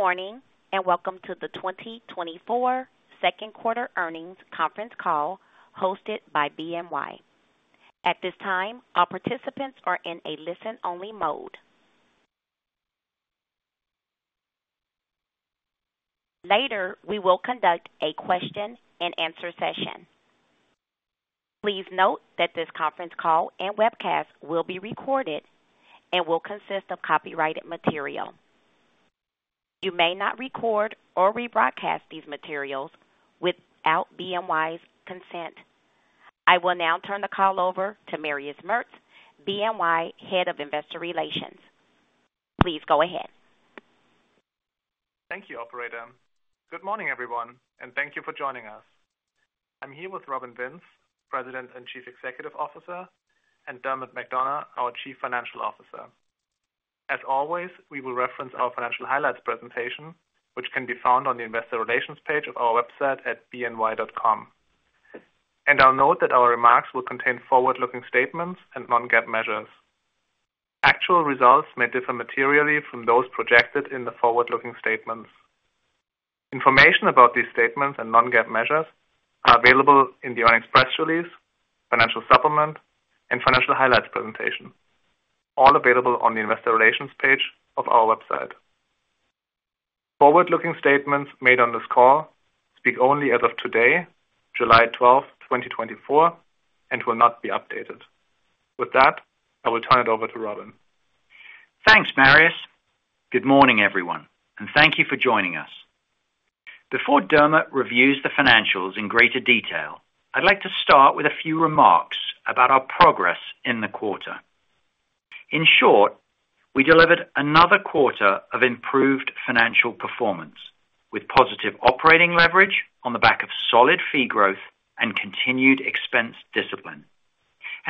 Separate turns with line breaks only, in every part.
Good morning, and welcome to the 2024 second quarter earnings conference call hosted by BNY. At this time, all participants are in a listen-only mode. Later, we will conduct a question-and-answer session. Please note that this conference call and webcast will be recorded and will consist of copyrighted material. You may not record or rebroadcast these materials without BNY's consent. I will now turn the call over to Marius Merz, BNY Head of Investor Relations. Please go ahead.
Thank you, Operator. Good morning, everyone, and thank you for joining us. I'm here with Robin Vince, President and Chief Executive Officer, and Dermot McDonogh, our Chief Financial Officer. As always, we will reference our financial highlights presentation, which can be found on the investor relations page of our website at bny.com. I'll note that our remarks will contain forward-looking statements and non-GAAP measures. Actual results may differ materially from those projected in the forward-looking statements. Information about these statements and non-GAAP measures are available in the earnings press release, financial supplement, and financial highlights presentation, all available on the investor relations page of our website. Forward-looking statements made on this call speak only as of today, July 12, 2024, and will not be updated. With that, I will turn it over to Robin.
Thanks, Marius. Good morning, everyone, and thank you for joining us. Before Dermot reviews the financials in greater detail, I'd like to start with a few remarks about our progress in the quarter. In short, we delivered another quarter of improved financial performance, with positive operating leverage on the back of solid fee growth and continued expense discipline.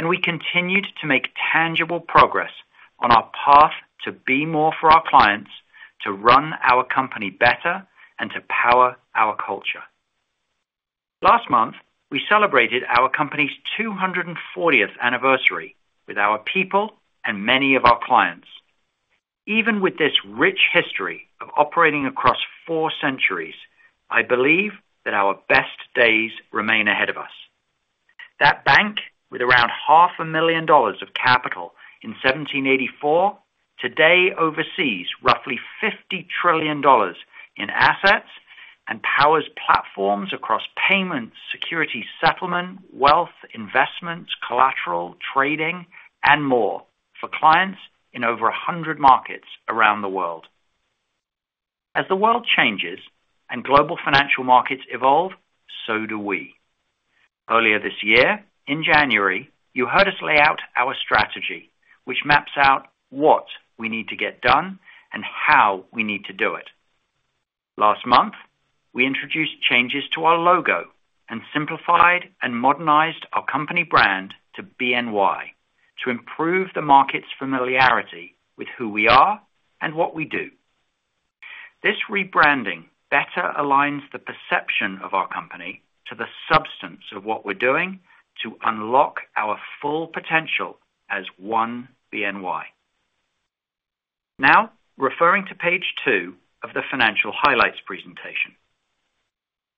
We continued to make tangible progress on our path to be more for our clients, to run our company better, and to power our culture. Last month, we celebrated our company's 204th anniversary with our people and many of our clients. Even with this rich history of operating across four centuries, I believe that our best days remain ahead of us. That bank, with around $500,000 of capital in 1784, today oversees roughly $50 trillion in assets and powers platforms across payments, securities, settlement, wealth, investments, collateral, trading, and more for clients in over 100 markets around the world. As the world changes and global financial markets evolve, so do we. Earlier this year, in January, you heard us lay out our strategy, which maps out what we need to get done and how we need to do it. Last month, we introduced changes to our logo and simplified and modernized our company brand to BNY to improve the market's familiarity with who we are and what we do. This rebranding better aligns the perception of our company to the substance of what we're doing to unlock our full potential as one BNY. Now, referring to page two of the financial highlights presentation.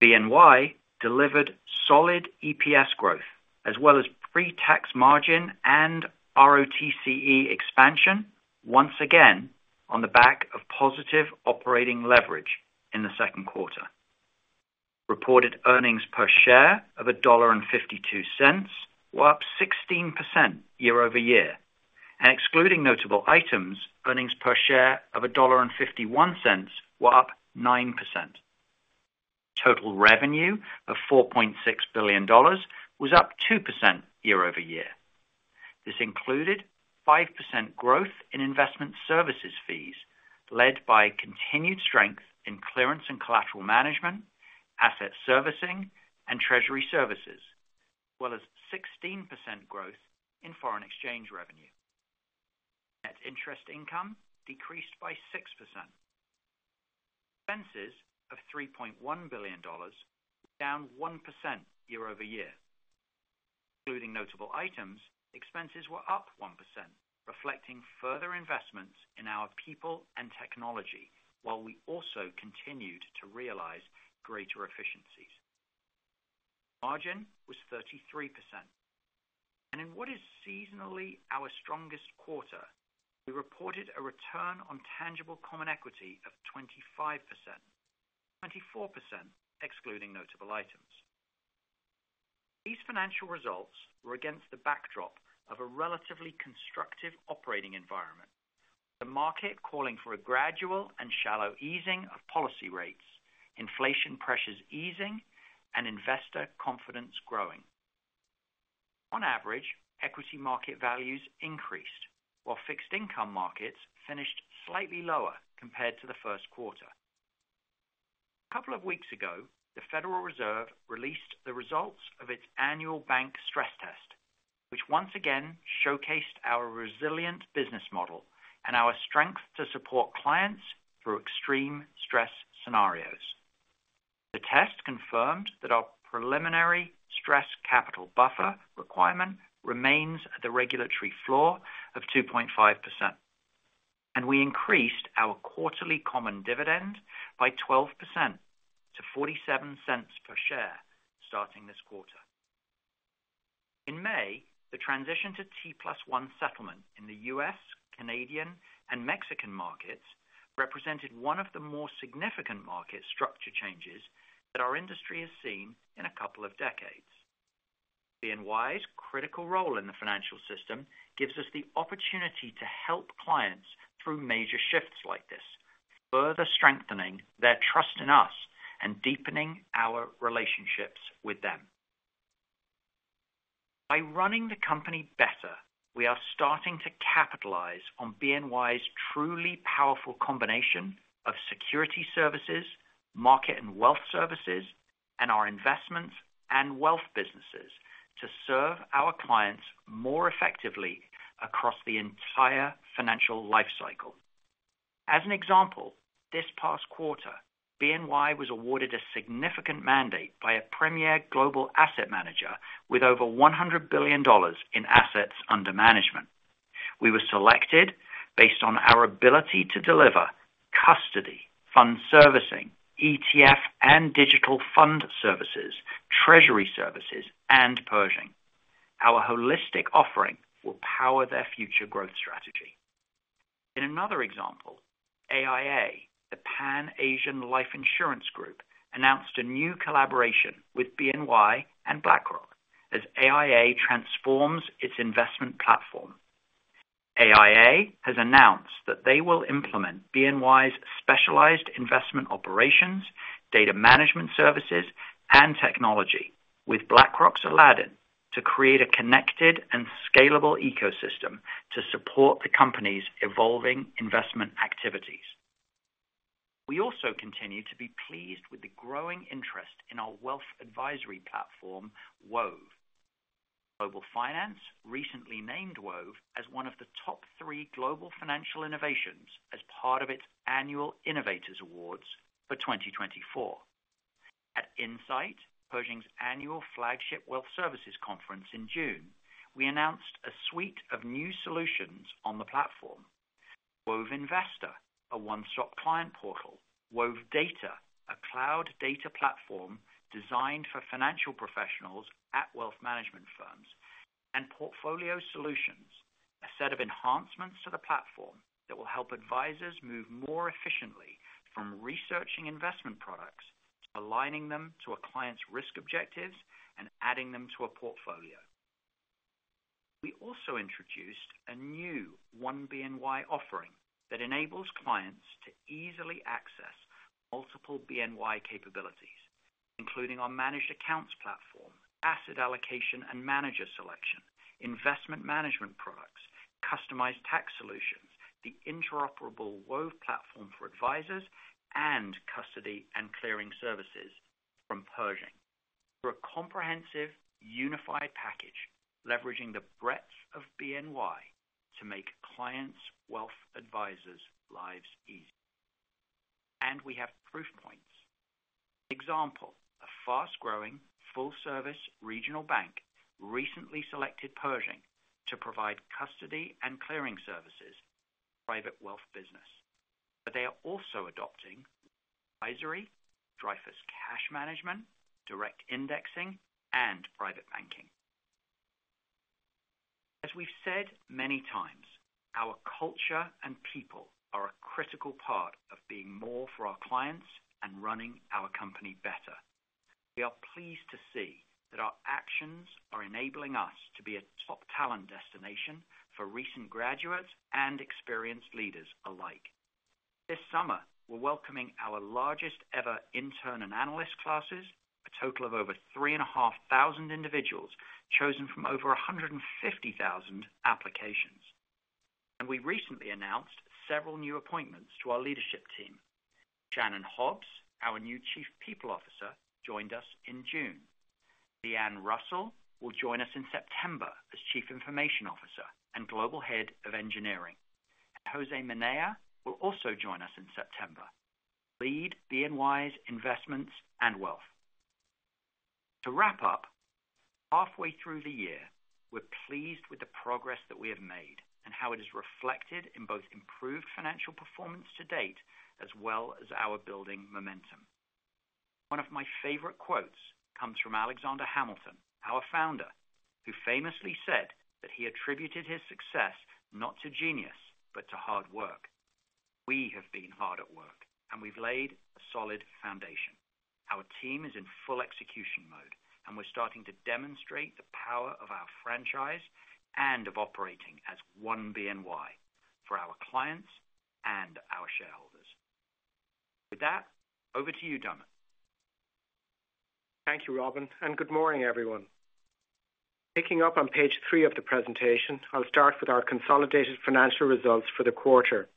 BNY delivered solid EPS growth, as well as pre-tax margin and ROTCE expansion, once again, on the back of positive operating leverage in the second quarter. Reported earnings per share of $1.52 were up 16% year-over-year, and excluding notable items, earnings per share of $1.51 were up 9%. Total revenue of $4.6 billion was up 2% year-over-year. This included 5% growth in investment services fees, led by continued strength in clearance and collateral management, asset servicing, and treasury services, as well as 16% growth in foreign exchange revenue. Net interest income decreased by 6%. Expenses of $3.1 billion, down 1% year-over-year. Including notable items, expenses were up 1%, reflecting further investments in our people and technology, while we also continued to realize greater efficiencies. Margin was 33%. In what is seasonally our strongest quarter, we reported a return on tangible common equity of 25%, 24% excluding notable items. These financial results were against the backdrop of a relatively constructive operating environment, the market calling for a gradual and shallow easing of policy rates, inflation pressures easing, and investor confidence growing. On average, equity market values increased, while fixed-income markets finished slightly lower compared to the first quarter. A couple of weeks ago, the Federal Reserve released the results of its annual bank stress test, which once again showcased our resilient business model and our strength to support clients through extreme stress scenarios. The test confirmed that our preliminary stress capital buffer requirement remains at the regulatory floor of 2.5%, and we increased our quarterly common dividend by 12% to $0.47 per share, starting this quarter. In May, the transition to T+1 settlement in the U.S., Canadian, and Mexican markets represented one of the more significant market structure changes that our industry has seen in a couple of decades. BNY's critical role in the financial system gives us the opportunity to help clients through major shifts like this, further strengthening their trust in us and deepening our relationships with them. By running the company better, we are starting to capitalize on BNY's truly powerful combination of Securities Services, Market and Wealth services, and our Investments and Wealth businesses to serve our clients more effectively across the entire financial life cycle. As an example, this past quarter, BNY was awarded a significant mandate by a premier global asset manager with over $100 billion in assets under management. We were selected based on our ability to deliver custody, fund servicing, ETF, and digital fund services, treasury services, and Pershing. Our holistic offering will power their future growth strategy. In another example, AIA, the Pan-Asian Life Insurance Group, announced a new collaboration with BNY and BlackRock as AIA transforms its investment platform. AIA has announced that they will implement BNY's specialized investment operations, data management services, and technology with BlackRock's Aladdin to create a connected and scalable ecosystem to support the company's evolving investment activities. We also continue to be pleased with the growing interest in our wealth advisory platform, Wove. Global Finance recently named Wove as one of the top three global financial innovations as part of its annual Innovators Awards for 2024. At Insight, Pershing's annual flagship wealth services conference in June, we announced a suite of new solutions on the platform. Wove Investor, a one-stop client portal, Wove Data, a cloud data platform designed for financial professionals at wealth management firms, and portfolio solutions, a set of enhancements to the platform that will help advisors move more efficiently from researching investment products, aligning them to a client's risk objectives, and adding them to a portfolio. We also introduced a new One BNY offering that enables clients to easily access multiple BNY capabilities, including our managed accounts platform, asset allocation and manager selection, investment management products, customized tax solutions, the interoperable Wove platform for advisors, and custody and clearing services from Pershing, for a comprehensive, unified package, leveraging the breadth of BNY to make clients' wealth advisors' lives easy. We have proof points. Example, a fast-growing, full-service regional bank recently selected Pershing to provide custody and clearing services, private wealth business. They are also adopting advisory, Dreyfus Cash Management, direct indexing, and private banking. As we've said many times, our culture and people are a critical part of being more for our clients and running our company better. We are pleased to see that our actions are enabling us to be a top talent destination for recent graduates and experienced leaders alike. This summer, we're welcoming our largest ever intern and analyst classes, a total of over 3,500 individuals, chosen from over 150,000 applications. We recently announced several new appointments to our leadership team. Shannon Hobbs, our new Chief People Officer, joined us in June. Leigh-Ann Russell will join us in September as Chief Information Officer and Global Head of Engineering. Jose Minaya will also join us in September, lead BNY's Investments and Wealth. To wrap up, halfway through the year, we're pleased with the progress that we have made and how it is reflected in both improved financial performance to date as well as our building momentum. One of my favorite quotes comes from Alexander Hamilton, our founder, who famously said that he attributed his success not to genius, but to hard work. We have been hard at work, and we've laid a solid foundation. Our team is in full execution mode, and we're starting to demonstrate the power of our franchise and of operating as One BNY for our clients and our shareholders. With that, over to you, Dermot.
Thank you, Robin, and good morning, everyone. Picking up on page 3 of the presentation, I'll start with our consolidated financial results for the quarter.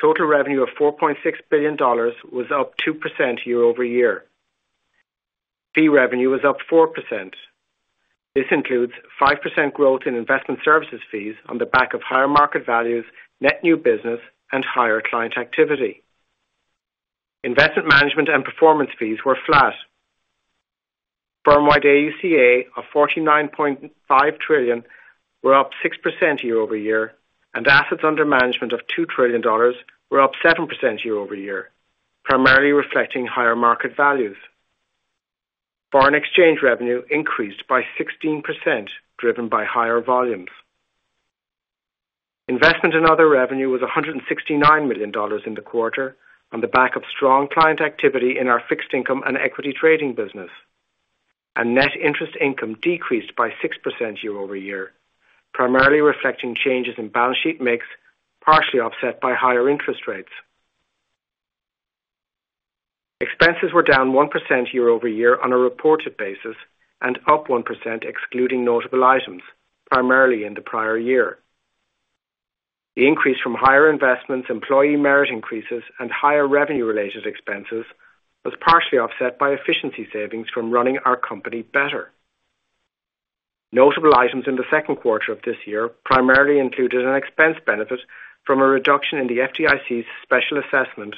Total revenue of $4.6 billion was up 2% year-over-year. Fee revenue was up 4%. This includes 5% growth in investment services fees on the back of higher market values, net new business, and higher client activity. Investment management and performance fees were flat. Firm-wide AUCA of $49.5 trillion were up 6% year-over-year, and assets under management of $2 trillion were up 7% year-over-year, primarily reflecting higher market values. Foreign exchange revenue increased by 16%, driven by higher volumes. Investment in other revenue was $169 million in the quarter on the back of strong client activity in our fixed income and equity trading business, and net interest income decreased by 6% year-over-year, primarily reflecting changes in balance sheet mix, partially offset by higher interest rates. Expenses were down 1% year-over-year on a reported basis, and up 1% excluding notable items, primarily in the prior year. The increase from higher investments, employee merit increases, and higher revenue-related expenses was partially offset by efficiency savings from running our company better. Notable items in the second quarter of this year primarily included an expense benefit from a reduction in the FDIC's special assessment,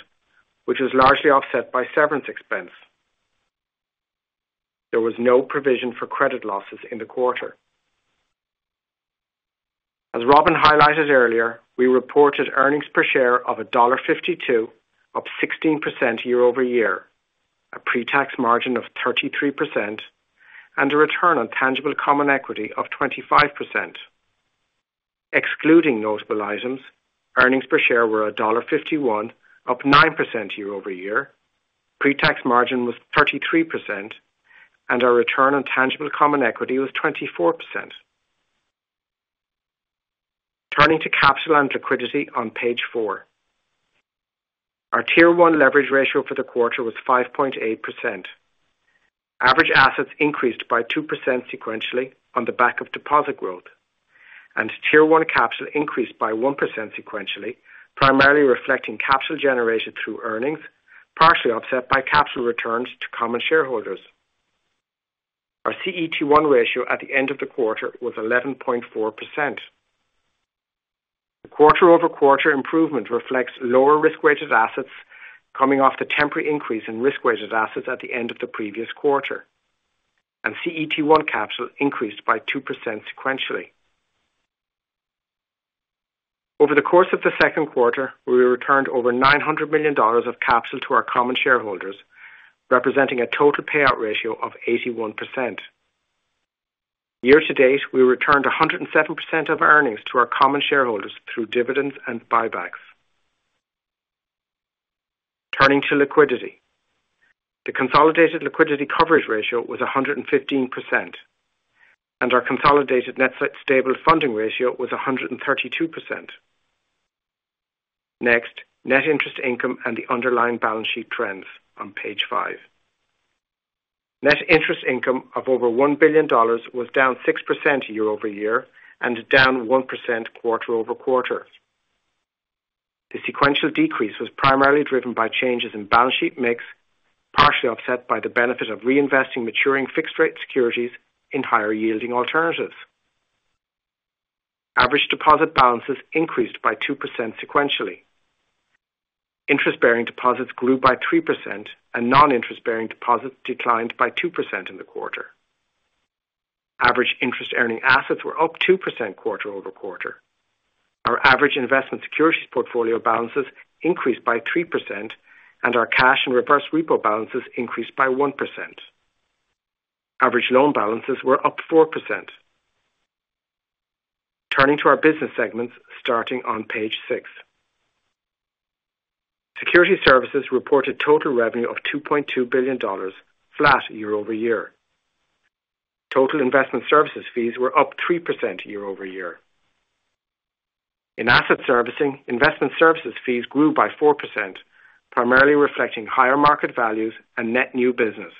which was largely offset by severance expense. There was no provision for credit losses in the quarter. As Robin highlighted earlier, we reported earnings per share of $1.52, up 16% year-over-year, a pre-tax margin of 33%, and a return on tangible common equity of 25%. Excluding notable items, earnings per share were $1.51, up 9% year-over-year, pre-tax margin was 33%, and our return on tangible common equity was 24%. Turning to capital and liquidity on page 4. Our tier 1 leverage ratio for the quarter was 5.8%. Average assets increased by 2% sequentially on the back of deposit growth, and tier 1 caps increased by 1% sequentially, primarily reflecting capital generated through earnings, partially offset by capital returns to common shareholders. Our CET1 ratio at the end of the quarter was 11.4%. The quarter-over-quarter improvement reflects lower risk-weighted assets coming off the temporary increase in risk-weighted assets at the end of the previous quarter, and CET1 caps increased by 2% sequentially. Over the course of the second quarter, we returned over $900 million of caps to our common shareholders, representing a total payout ratio of 81%. Year-to-date, we returned 107% of earnings to our common shareholders through dividends and buybacks. Turning to liquidity. The consolidated liquidity coverage ratio was 115%, and our consolidated net stable funding ratio was 132%. Next, net interest income and the underlying balance sheet trends on page five. Net interest income of over $1 billion was down 6% year-over-year and down 1% quarter-over-quarter. The sequential decrease was primarily driven by changes in balance sheet mix, partially offset by the benefit of reinvesting maturing fixed-rate securities in higher-yielding alternatives. Average deposit balances increased by 2% sequentially. Interest-bearing deposits grew by 3%, and non-interest-bearing deposits declined by 2% in the quarter. Average interest-earning assets were up 2% quarter-over-quarter. Our average investment securities portfolio balances increased by 3%, and our cash and reverse repo balances increased by 1%. Average loan balances were up 4%. Turning to our business segments, starting on page 6. Securities Services reported total revenue of $2.2 billion, flat year-over-year. Total investment services fees were up 3% year-over-year. In asset servicing, investment services fees grew by 4%, primarily reflecting higher market values and net new business.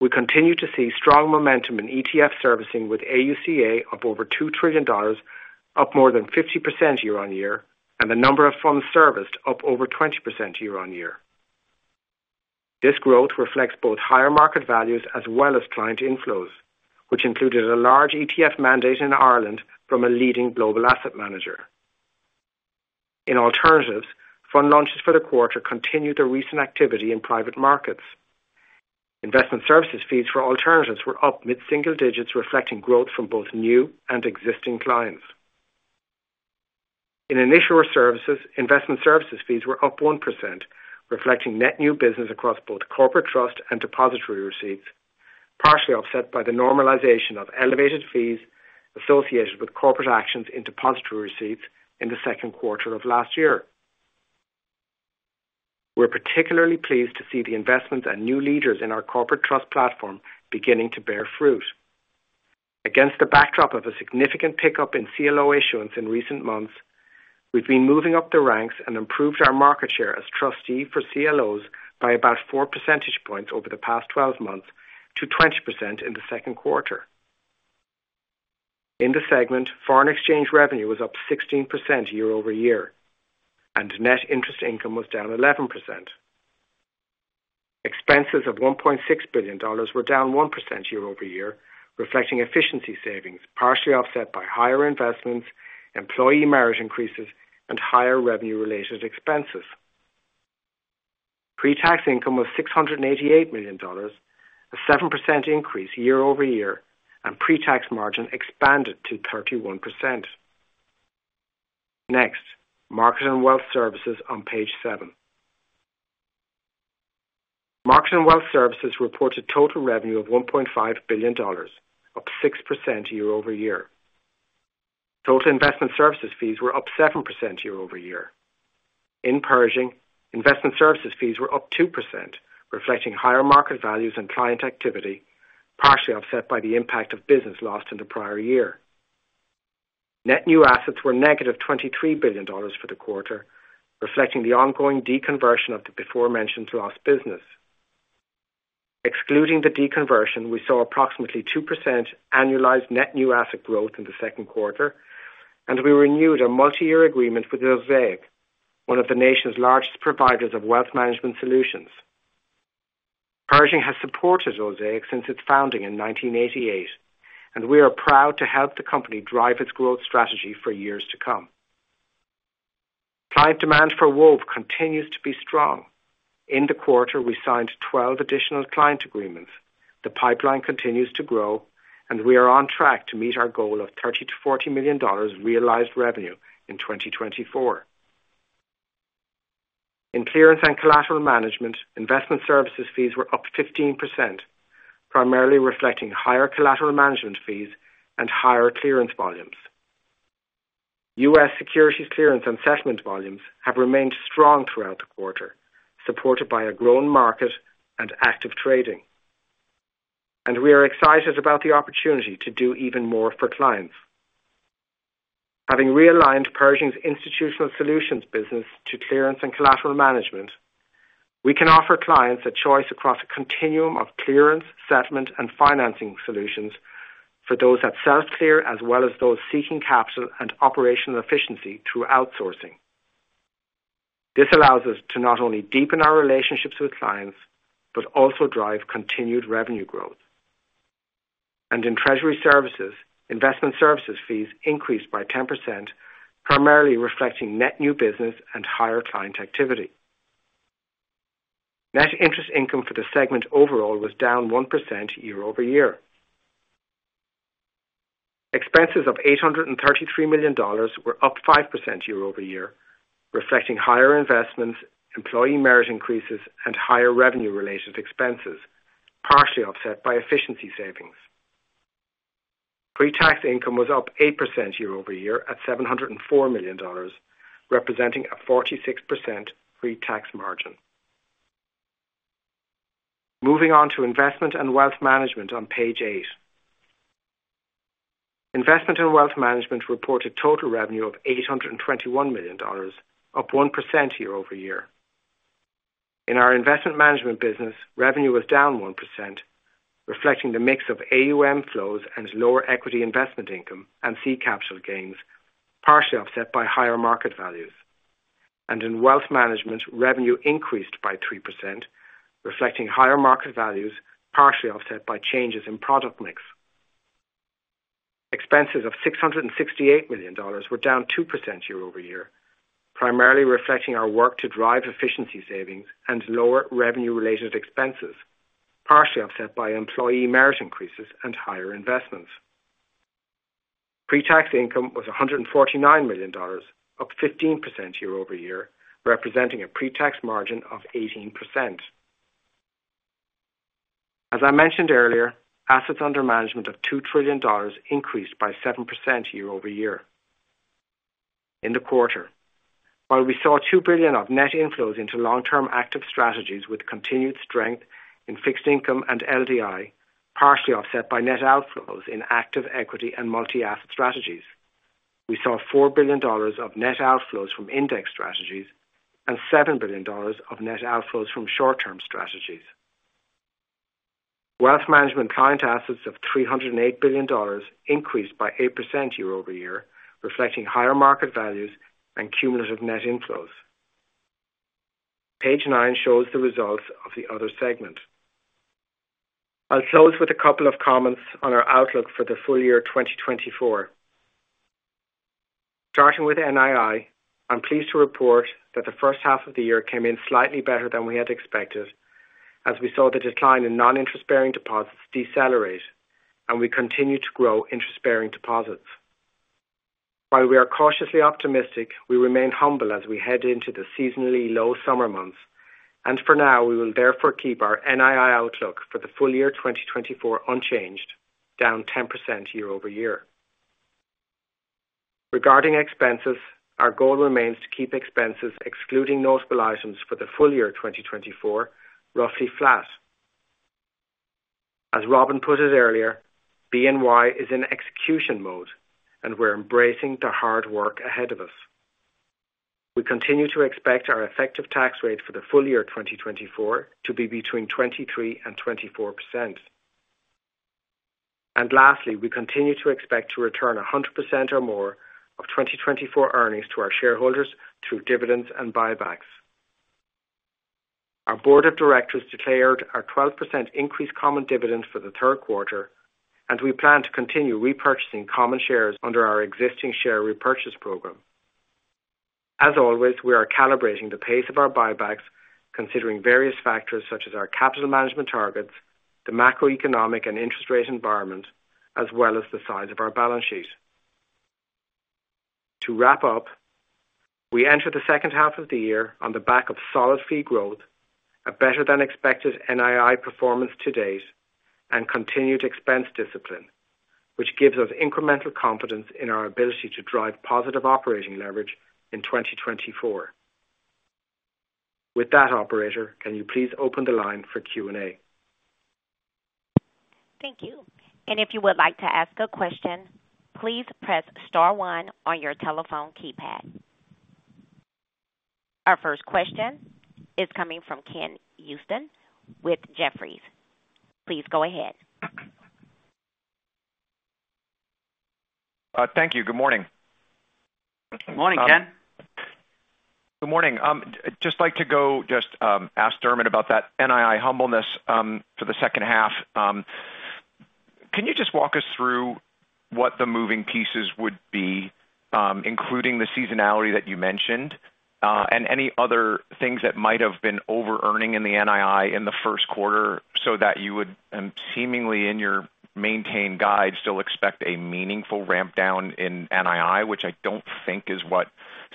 We continue to see strong momentum in ETF servicing, with AUCA up over $2 trillion, up more than 50% year-on-year, and the number of funds serviced up over 20% year-on-year. This growth reflects both higher market values as well as client inflows, which included a large ETF mandate in Ireland from a leading global asset manager. In alternatives, fund launches for the quarter continued the recent activity in private markets. Investment services fees for alternatives were up mid-single digits, reflecting growth from both new and existing clients. In Issuer Services, investment services fees were up 1%, reflecting net new business across both corporate trust and depository receipts, partially offset by the normalization of elevated fees associated with corporate actions in depository receipts in the second quarter of last year. We're particularly pleased to see the investments and new leaders in our corporate trust platform beginning to bear fruit. Against the backdrop of a significant pickup in CLO issuance in recent months, we've been moving up the ranks and improved our market share as trustee for CLOs by about 4 percentage points over the past 12 months to 20% in the second quarter. In the segment, foreign exchange revenue was up 16% year-over-year, and net interest income was down 11%. Expenses of $1.6 billion were down 1% year-over-year, reflecting efficiency savings, partially offset by higher investments, employee merit increases, and higher revenue-related expenses. Pre-tax income was $688 million, a 7% increase year-over-year, and pre-tax margin expanded to 31%. Next, market and wealth services on page seven. Market and wealth services reported total revenue of $1.5 billion, up 6% year-over-year. Total investment services fees were up 7% year-over-year. In Pershing, investment services fees were up 2%, reflecting higher market values and client activity, partially offset by the impact of business lost in the prior year. Net new assets were -$23 billion for the quarter, reflecting the ongoing deconversion of the before mentioned lost business. Excluding the deconversion, we saw approximately 2% annualized net new asset growth in the second quarter, and we renewed a multi-year agreement with Osaic, one of the nation's largest providers of wealth management solutions. Pershing has supported Osaic since its founding in 1988, and we are proud to help the company drive its growth strategy for years to come. Client demand for Wove continues to be strong. In the quarter, we signed 12 additional client agreements. The pipeline continues to grow, and we are on track to meet our goal of $30 million-$40 million realized revenue in 2024. In clearance and collateral management, investment services fees were up 15%, primarily reflecting higher collateral management fees and higher clearance volumes. U.S. securities clearance and settlement volumes have remained strong throughout the quarter, supported by a growing market and active trading, and we are excited about the opportunity to do even more for clients. Having realigned Pershing's institutional solutions business to clearance and collateral management, we can offer clients a choice across a continuum of clearance, settlement, and financing solutions for those that self-clear, as well as those seeking capital and operational efficiency through outsourcing. This allows us to not only deepen our relationships with clients, but also drive continued revenue growth. In treasury services, investment services fees increased by 10%, primarily reflecting net new business and higher client activity. Net interest income for the segment overall was down 1% year-over-year. Expenses of $833 million were up 5% year-over-year, reflecting higher investments, employee merit increases, and higher revenue-related expenses, partially offset by efficiency savings. Pre-tax income was up 8% year-over-year at $704 million, representing a 46% pre-tax margin. Moving on to Investment and Wealth management on page 8. Investment and Wealth Management reported total revenue of $821 million, up 1% year-over-year. In our investment management business, revenue was down 1%, reflecting the mix of AUM flows and lower equity investment income and seed capital gains, partially offset by higher market values. In wealth management, revenue increased by 3%, reflecting higher market values, partially offset by changes in product mix. Expenses of $668 million were down 2% year-over-year, primarily reflecting our work to drive efficiency savings and lower revenue-related expenses, partially offset by employee merit increases and higher investments. Pre-tax income was $149 million, up 15% year-over-year, representing a pre-tax margin of 18%. As I mentioned earlier, assets under management of $2 trillion increased by 7% year-over-year. In the quarter, while we saw $2 billion of net inflows into long-term active strategies with continued strength in fixed income and LDI, partially offset by net outflows in active equity and multi-asset strategies, we saw $4 billion of net outflows from index strategies and $7 billion of net outflows from short-term strategies. Wealth management client assets of $308 billion increased by 8% year-over-year, reflecting higher market values and cumulative net inflows. Page 9 shows the results of the other segment. I'll close with a couple of comments on our outlook for the full year 2024. Starting with NII, I'm pleased to report that the first half of the year came in slightly better than we had expected, as we saw the decline in non-interest-bearing deposits decelerate, and we continued to grow interest-bearing deposits. While we are cautiously optimistic, we remain humble as we head into the seasonally low summer months, and for now, we will therefore keep our NII outlook for the full year 2024 unchanged, down 10% year-over-year. Regarding expenses, our goal remains to keep expenses, excluding notable items for the full year 2024, roughly flat. As Robin put it earlier, BNY is in execution mode, and we're embracing the hard work ahead of us. We continue to expect our effective tax rate for the full year 2024 to be between 23% and 24%. And lastly, we continue to expect to return 100% or more of 2024 earnings to our shareholders through dividends and buybacks. Our board of directors declared our 12% increased common dividend for the third quarter, and we plan to continue repurchasing common shares under our existing share repurchase program. As always, we are calibrating the pace of our buybacks, considering various factors such as our capital management targets, the macroeconomic and interest rate environment, as well as the size of our balance sheet. To wrap up, we enter the second half of the year on the back of solid fee growth, a better-than-expected NII performance to date, and continued expense discipline, which gives us incremental confidence in our ability to drive positive operating leverage in 2024. With that, operator, can you please open the line for Q&A?
Thank you. If you would like to ask a question, please press star one on your telephone keypad. Our first question is coming from Ken Usdin with Jefferies. Please go ahead.
Thank you. Good morning.
Good morning, Ken.
Good morning. Just like to ask Dermot about that NII guidance for the second half. Can you just walk us through what the moving pieces would be, including the seasonality that you mentioned, and any other things that might have been over-earning in the NII in the first quarter so that you would seemingly in your maintained guide still expect a meaningful ramp down in NII, which I don't think is what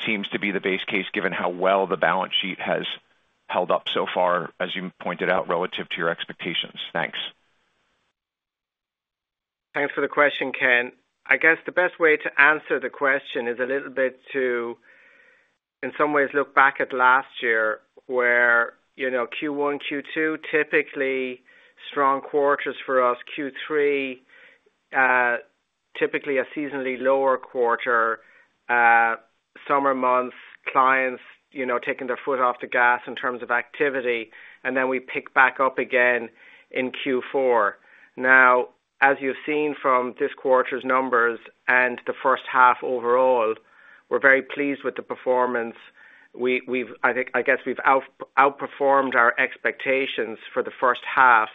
seems to be the base case, given how well the balance sheet has held up so far, as you pointed out, relative to your expectations. Thanks.
Thanks for the question, Ken. I guess the best way to answer the question is a little bit to, in some ways, look back at last year, where, you know, Q1, Q2, typically strong quarters for us. Q3, typically a seasonally lower quarter, summer months, clients, you know, taking their foot off the gas in terms of activity, and then we pick back up again in Q4. Now, as you've seen from this quarter's numbers and the first half overall, we're very pleased with the performance. We've outperformed our expectations for the first half,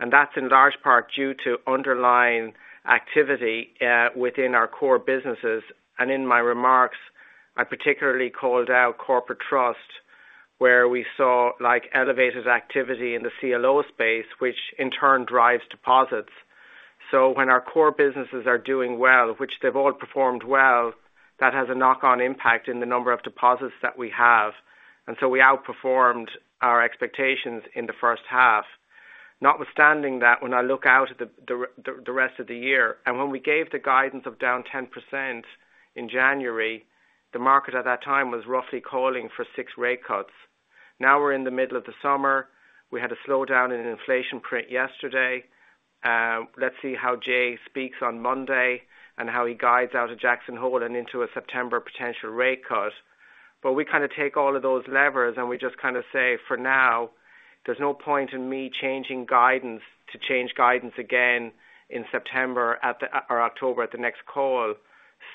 and that's in large part due to underlying activity within our core businesses. And in my remarks, I particularly called out corporate trust, where we saw, like, elevated activity in the CLO space, which in turn drives deposits. So when our core businesses are doing well, which they've all performed well, that has a knock-on impact in the number of deposits that we have, and so we outperformed our expectations in the first half. Notwithstanding that, when I look out at the rest of the year, and when we gave the guidance of down 10% in January, the market at that time was roughly calling for six rate cuts. Now we're in the middle of the summer. We had a slowdown in inflation print yesterday. Let's see how Jay speaks on Monday and how he guides out of Jackson Hole and into a September potential rate cut. But we kind of take all of those levers, and we just kind of say, "For now, there's no point in me changing guidance to change guidance again in September or October at the next call."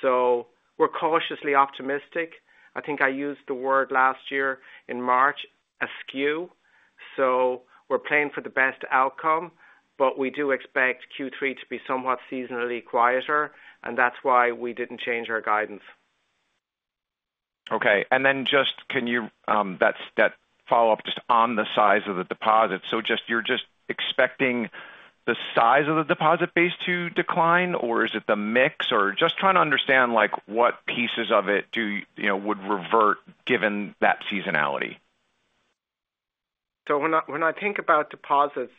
So we're cautiously optimistic. I think I used the word last year in March, "askew." So we're playing for the best outcome, but we do expect Q3 to be somewhat seasonally quieter, and that's why we didn't change our guidance.
Okay. And then just can you, that's that follow-up just on the size of the deposit. So just, you're just expecting the size of the deposit base to decline, or is it the mix? Or just trying to understand, like, what pieces of it do, you know, would revert given that seasonality.
So when I think about deposits,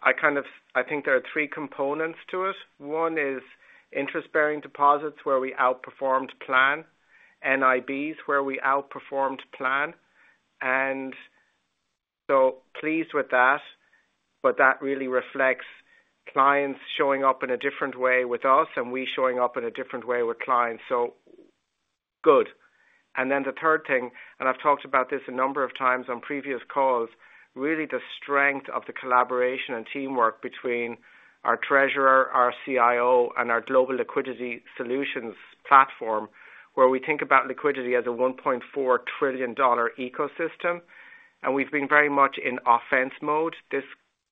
I kind of think there are three components to it. One is interest-bearing deposits, where we outperformed plan. NIBs, where we outperformed plan, and so pleased with that, but that really reflects clients showing up in a different way with us and we showing up in a different way with clients. So, good. And then the third thing, and I've talked about this a number of times on previous calls, really the strength of the collaboration and teamwork between our treasurer, our CIO, and our Global Liquidity Solutions platform, where we think about liquidity as a $1.4 trillion ecosystem. And we've been very much in offense mode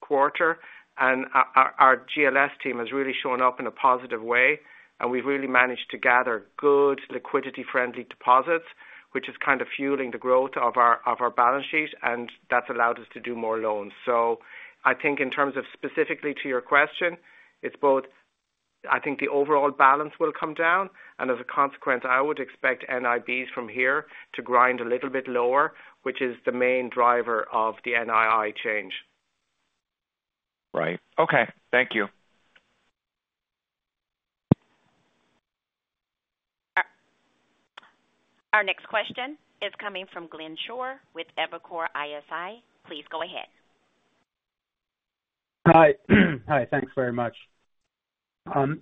this quarter, and our GLS team has really shown up in a positive way, and we've really managed to gather good liquidity-friendly deposits, which is kind of fueling the growth of our balance sheet, and that's allowed us to do more loans. So I think in terms of specifically to your question, it's both, I think the overall balance will come down, and as a consequence, I would expect NIBs from here to grind a little bit lower, which is the main driver of the NII change.
Right. Okay, thank you.
Our next question is coming from Glenn Schorr with Evercore ISI. Please go ahead.
Hi. Hi, thanks very much.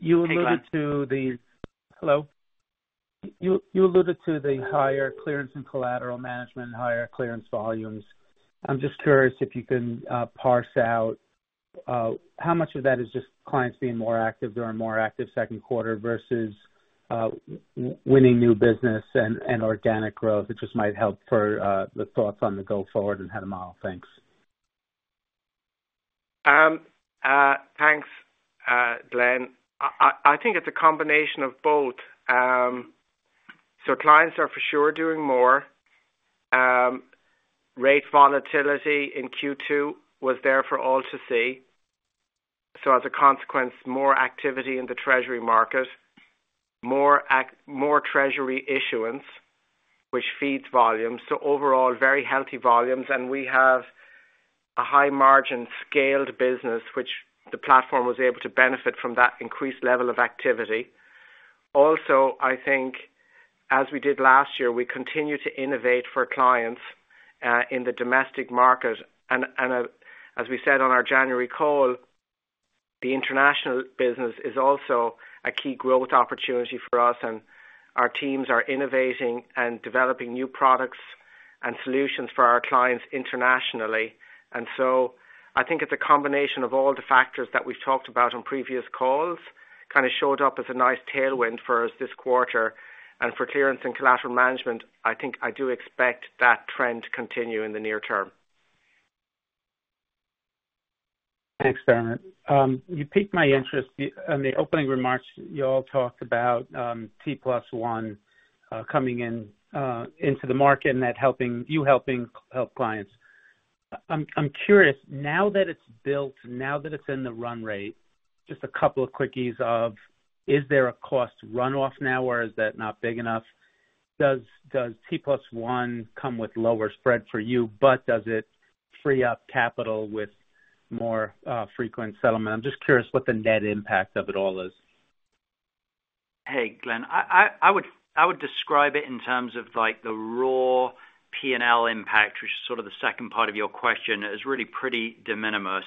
You alluded to the
Hi
Hello? You alluded to the higher clearance and collateral management and higher clearance volumes. I'm just curious if you can parse out how much of that is just clients being more active during a more active second quarter versus winning new business and organic growth? It just might help for the thoughts on the go forward and head them all. Thanks.
Thanks, Glenn. I think it's a combination of both. So clients are for sure doing more. Rate volatility in Q2 was there for all to see. So as a consequence, more activity in the treasury market, more treasury issuance, which feeds volumes. So overall, very healthy volumes, and we have a high margin scaled business, which the platform was able to benefit from that increased level of activity. Also, I think as we did last year, we continue to innovate for clients in the domestic market. As we said on our January call, the international business is also a key growth opportunity for us, and our teams are innovating and developing new products and solutions for our clients internationally. And so I think it's a combination of all the factors that we've talked about on previous calls, kind of showed up as a nice tailwind for us this quarter. And for clearance and collateral management, I think I do expect that trend to continue in the near-term.
Thanks, Dermot. You piqued my interest on the opening remarks you all talked about, T+1 coming in into the market and that helping you help clients. I'm curious, now that it's built, now that it's in the run rate, just a couple of quickies: Is there a cost runoff now, or is that not big enough? Does T+1 come with lower spread for you, but does it free up capital with more frequent settlement? I'm just curious what the net impact of it all is.
Hey, Glenn. I would describe it in terms of like the raw P&L impact, which is sort of the second part of your question, is really pretty de minimis.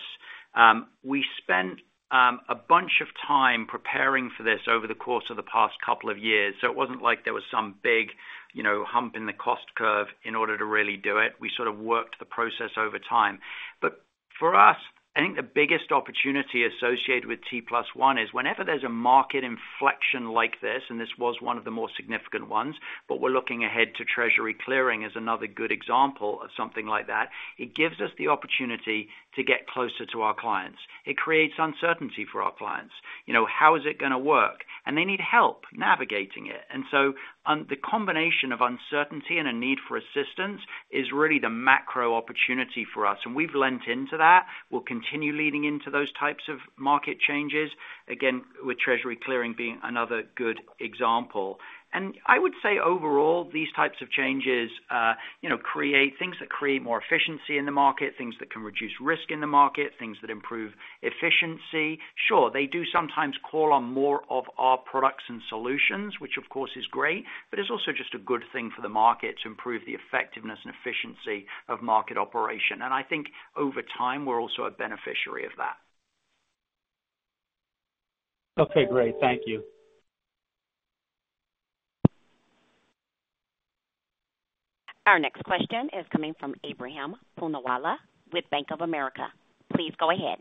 We spent a bunch of time preparing for this over the course of the past couple of years, so it wasn't like there was some big, you know, hump in the cost curve in order to really do it. We sort of worked the process over time. But for us, I think the biggest opportunity associated with T+1 is whenever there's a market inflection like this, and this was one of the more significant ones, but we're looking ahead to treasury clearing as another good example of something like that, it gives us the opportunity to get closer to our clients. It creates uncertainty for our clients. You know, how is it gonna work? They need help navigating it. So on the combination of uncertainty and a need for assistance is really the macro opportunity for us, and we've leaned into that. We'll continue leaning into those types of market changes, again, with treasury clearing being another good example. And I would say overall, these types of changes, you know, create things that create more efficiency in the market, things that can reduce risk in the market, things that improve efficiency. Sure, they do sometimes call on more of our products and solutions, which of course is great, but it's also just a good thing for the market to improve the effectiveness and efficiency of market operation. And I think over time, we're also a beneficiary of that.
Okay, great. Thank you.
Our next question is coming from Ebrahim Poonawala with Bank of America. Please go ahead.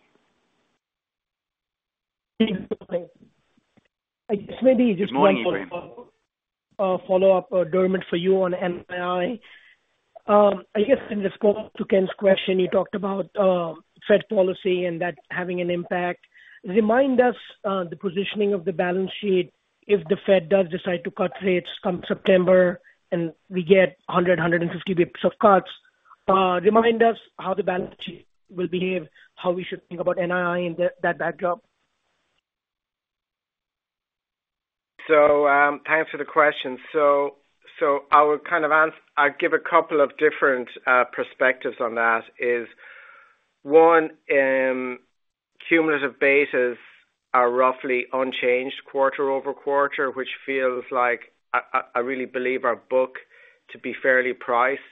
I guess maybe just one
Good morning, Ebrahim.
Follow up, Dermot, for you on NII. I guess in the scope to Ken's question, you talked about, Fed policy and that having an impact. Remind us, the positioning of the balance sheet if the Fed does decide to cut rates come September, and we get 100, 150 basis points of cuts. Remind us how the balance sheet will behave, how we should think about NII in that backdrop.
So, thanks for the question. So, I would kind of, I'd give a couple of different perspectives on that. One, cumulative betas are roughly unchanged quarter-over-quarter, which feels like I really believe our book to be fairly priced.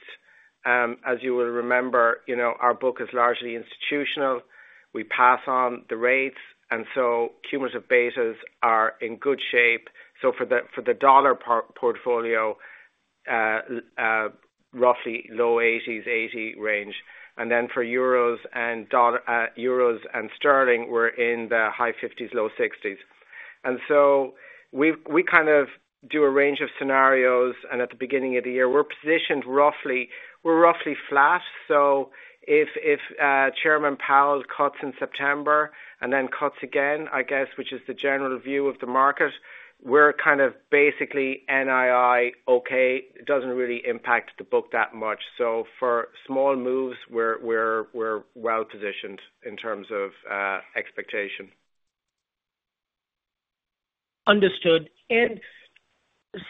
As you will remember, you know, our book is largely institutional. We pass on the rates, and so cumulative betas are in good shape. So for the dollar portfolio, roughly low 80s%-80% range. And then for euros and dollar, euros and sterling, we're in the high 50s%, low 60s%. And so we kind of do a range of scenarios, and at the beginning of the year, we're positioned roughly. We're roughly flat. So if Chairman Powell cuts in September and then cuts again, I guess, which is the general view of the market, we're kind of basically NII okay. It doesn't really impact the book that much. So for small moves, we're well positioned in terms of expectation.
Understood. And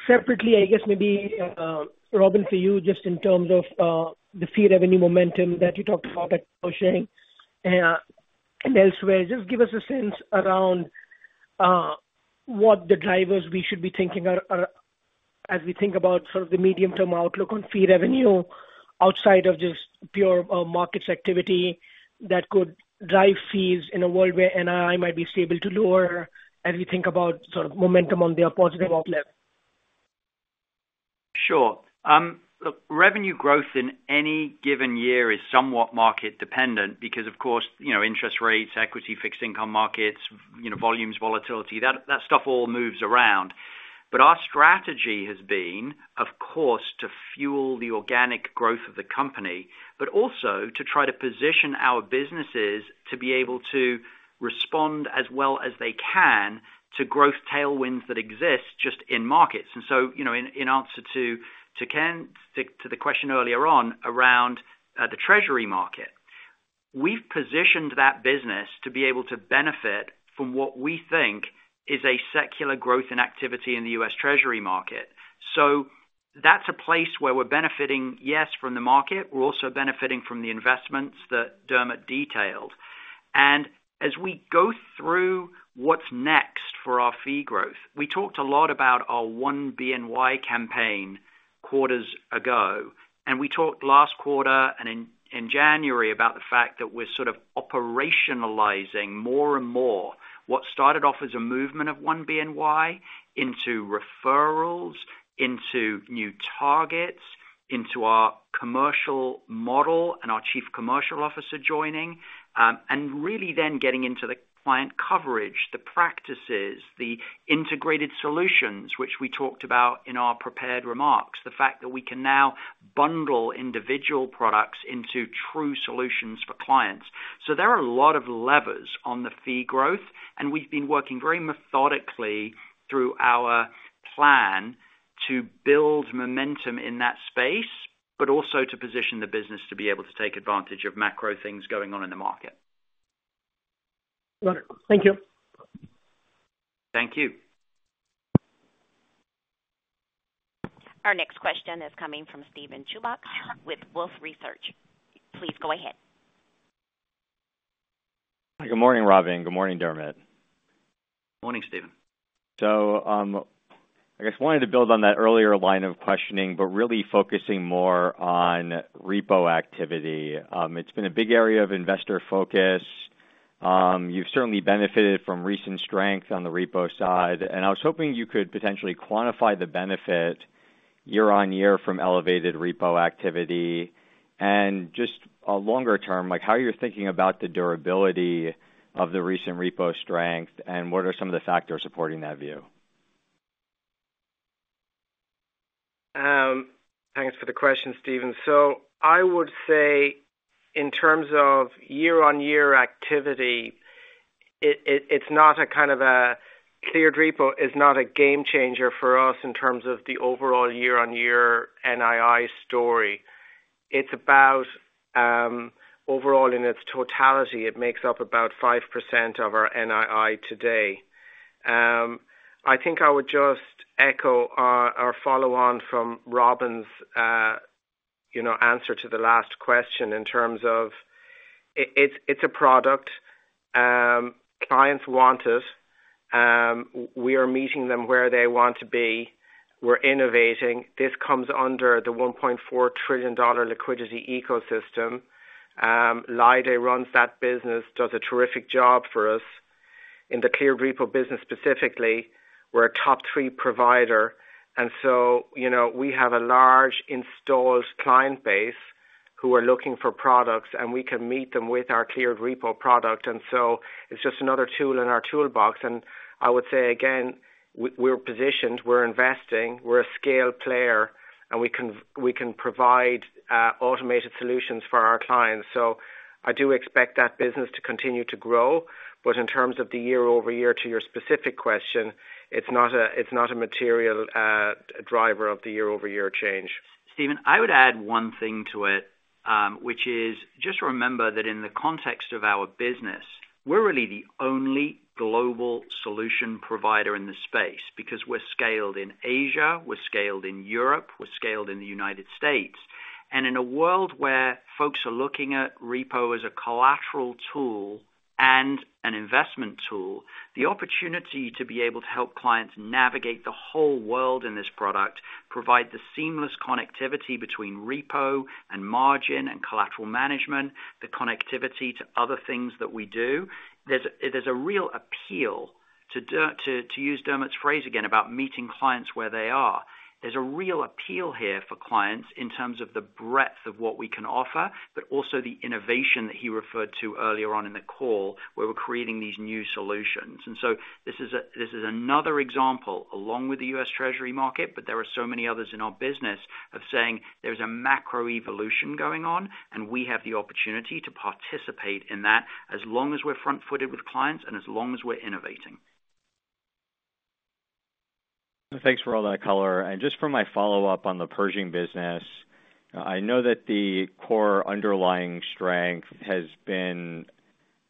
separately, I guess maybe, Robin, for you, just in terms of the fee revenue momentum that you talked about at Insight and elsewhere, just give us a sense around what the drivers we should be thinking are as we think about sort of the medium-term outlook on fee revenue outside of just pure markets activity that could drive fees in a world where NII might be stable to lower, as we think about sort of momentum on the positive outlook?
Sure. Look, revenue growth in any given year is somewhat market dependent because, of course, you know, interest rates, equity, fixed income markets, you know, volumes, volatility, that, that stuff all moves around. But our strategy has been, of course, to fuel the organic growth of the company, but also to try to position our businesses to be able to respond as well as they can to growth tailwinds that exist just in markets. And so, you know, in, in answer to, to Ken, to, to the question earlier on around, the treasury market. We've positioned that business to be able to benefit from what we think is a secular growth in activity in the U.S. Treasury market. So that's a place where we're benefiting, yes, from the market, we're also benefiting from the investments that Dermot detailed. As we go through what's next for our fee growth, we talked a lot about our One BNY campaign quarters ago, and we talked last quarter and in January about the fact that we're sort of operationalizing more and more what started off as a movement of One BNY into referrals, into new targets, into our commercial model, and our chief commercial officer joining, and really then getting into the client coverage, the practices, the integrated solutions, which we talked about in our prepared remarks. The fact that we can now bundle individual products into true solutions for clients. So there are a lot of levers on the fee growth, and we've been working very methodically through our plan to build momentum in that space, but also to position the business to be able to take advantage of macro things going on in the market.
Got it. Thank you.
Thank you.
Our next question is coming from Steven Chubak with Wolfe Research. Please go ahead.
Good morning, Robin. Good morning, Dermot.
Morning, Steven.
I guess I wanted to build on that earlier line of questioning, but really focusing more on repo activity. It's been a big area of investor focus. You've certainly benefited from recent strength on the repo side, and I was hoping you could potentially quantify the benefit year on year from elevated repo activity. Just a longer term, like how you're thinking about the durability of the recent repo strength, and what are some of the factors supporting that view?
Thanks for the question, Steven. So I would say, in terms of year-on-year activity, it's not a kind of a cleared repo, is not a game changer for us in terms of the overall year-on-year NII story. It's about, overall, in its totality, it makes up about 5% of our NII today. I think I would just echo or follow on from Robin's, you know, answer to the last question in terms of it, it's a product, clients want it, we are meeting them where they want to be. We're innovating. This comes under the $1.4 trillion liquidity ecosystem. Laide runs that business, does a terrific job for us. In the cleared repo business specifically, we're a top three provider, and so, you know, we have a large installed client base who are looking for products, and we can meet them with our cleared repo product. And so it's just another tool in our toolbox. And I would say again, we're positioned, we're investing, we're a scaled player, and we can provide automated solutions for our clients. So I do expect that business to continue to grow. But in terms of the year-over-year, to your specific question, it's not a material driver of the year-over-year change.
Steven, I would add one thing to it, which is just remember that in the context of our business, we're really the only global solution provider in the space, because we're scaled in Asia, we're scaled in Europe, we're scaled in the United States. In a world where folks are looking at repo as a collateral tool and an investment tool, the opportunity to be able to help clients navigate the whole world in this product, provide the seamless connectivity between repo and margin and collateral management, the connectivity to other things that we do. There's a real appeal to Dermot's phrase again, about meeting clients where they are. There's a real appeal here for clients in terms of the breadth of what we can offer, but also the innovation that he referred to earlier on in the call, where we're creating these new solutions. And so this is another example, along with the U.S. Treasury market, but there are so many others in our business, of saying there's a macro evolution going on, and we have the opportunity to participate in that as long as we're front-footed with clients and as long as we're innovating.
Thanks for all that color. And just for my follow-up on the Pershing business, I know that the core underlying strength has been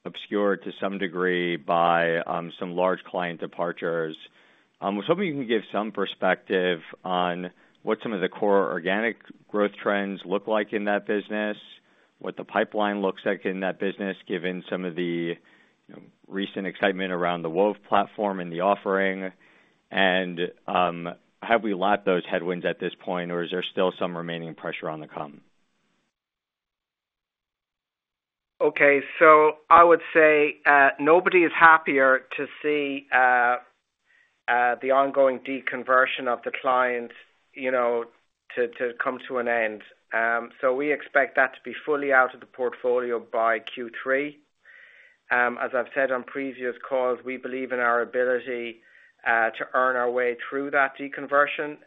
obscured to some degree by, some large client departures. I was hoping you can give some perspective on what some of the core organic growth trends look like in that business? What the pipeline looks like in that business, given some of the, you know, recent excitement around the Wove platform and the offering. And, have we lapped those headwinds at this point, or is there still some remaining pressure on the come?
Okay. So I would say, nobody is happier to see, the ongoing deconversion of the client, you know, to come to an end. So we expect that to be fully out of the portfolio by Q3. As I've said on previous calls, we believe in our ability to earn our way through that deconversion.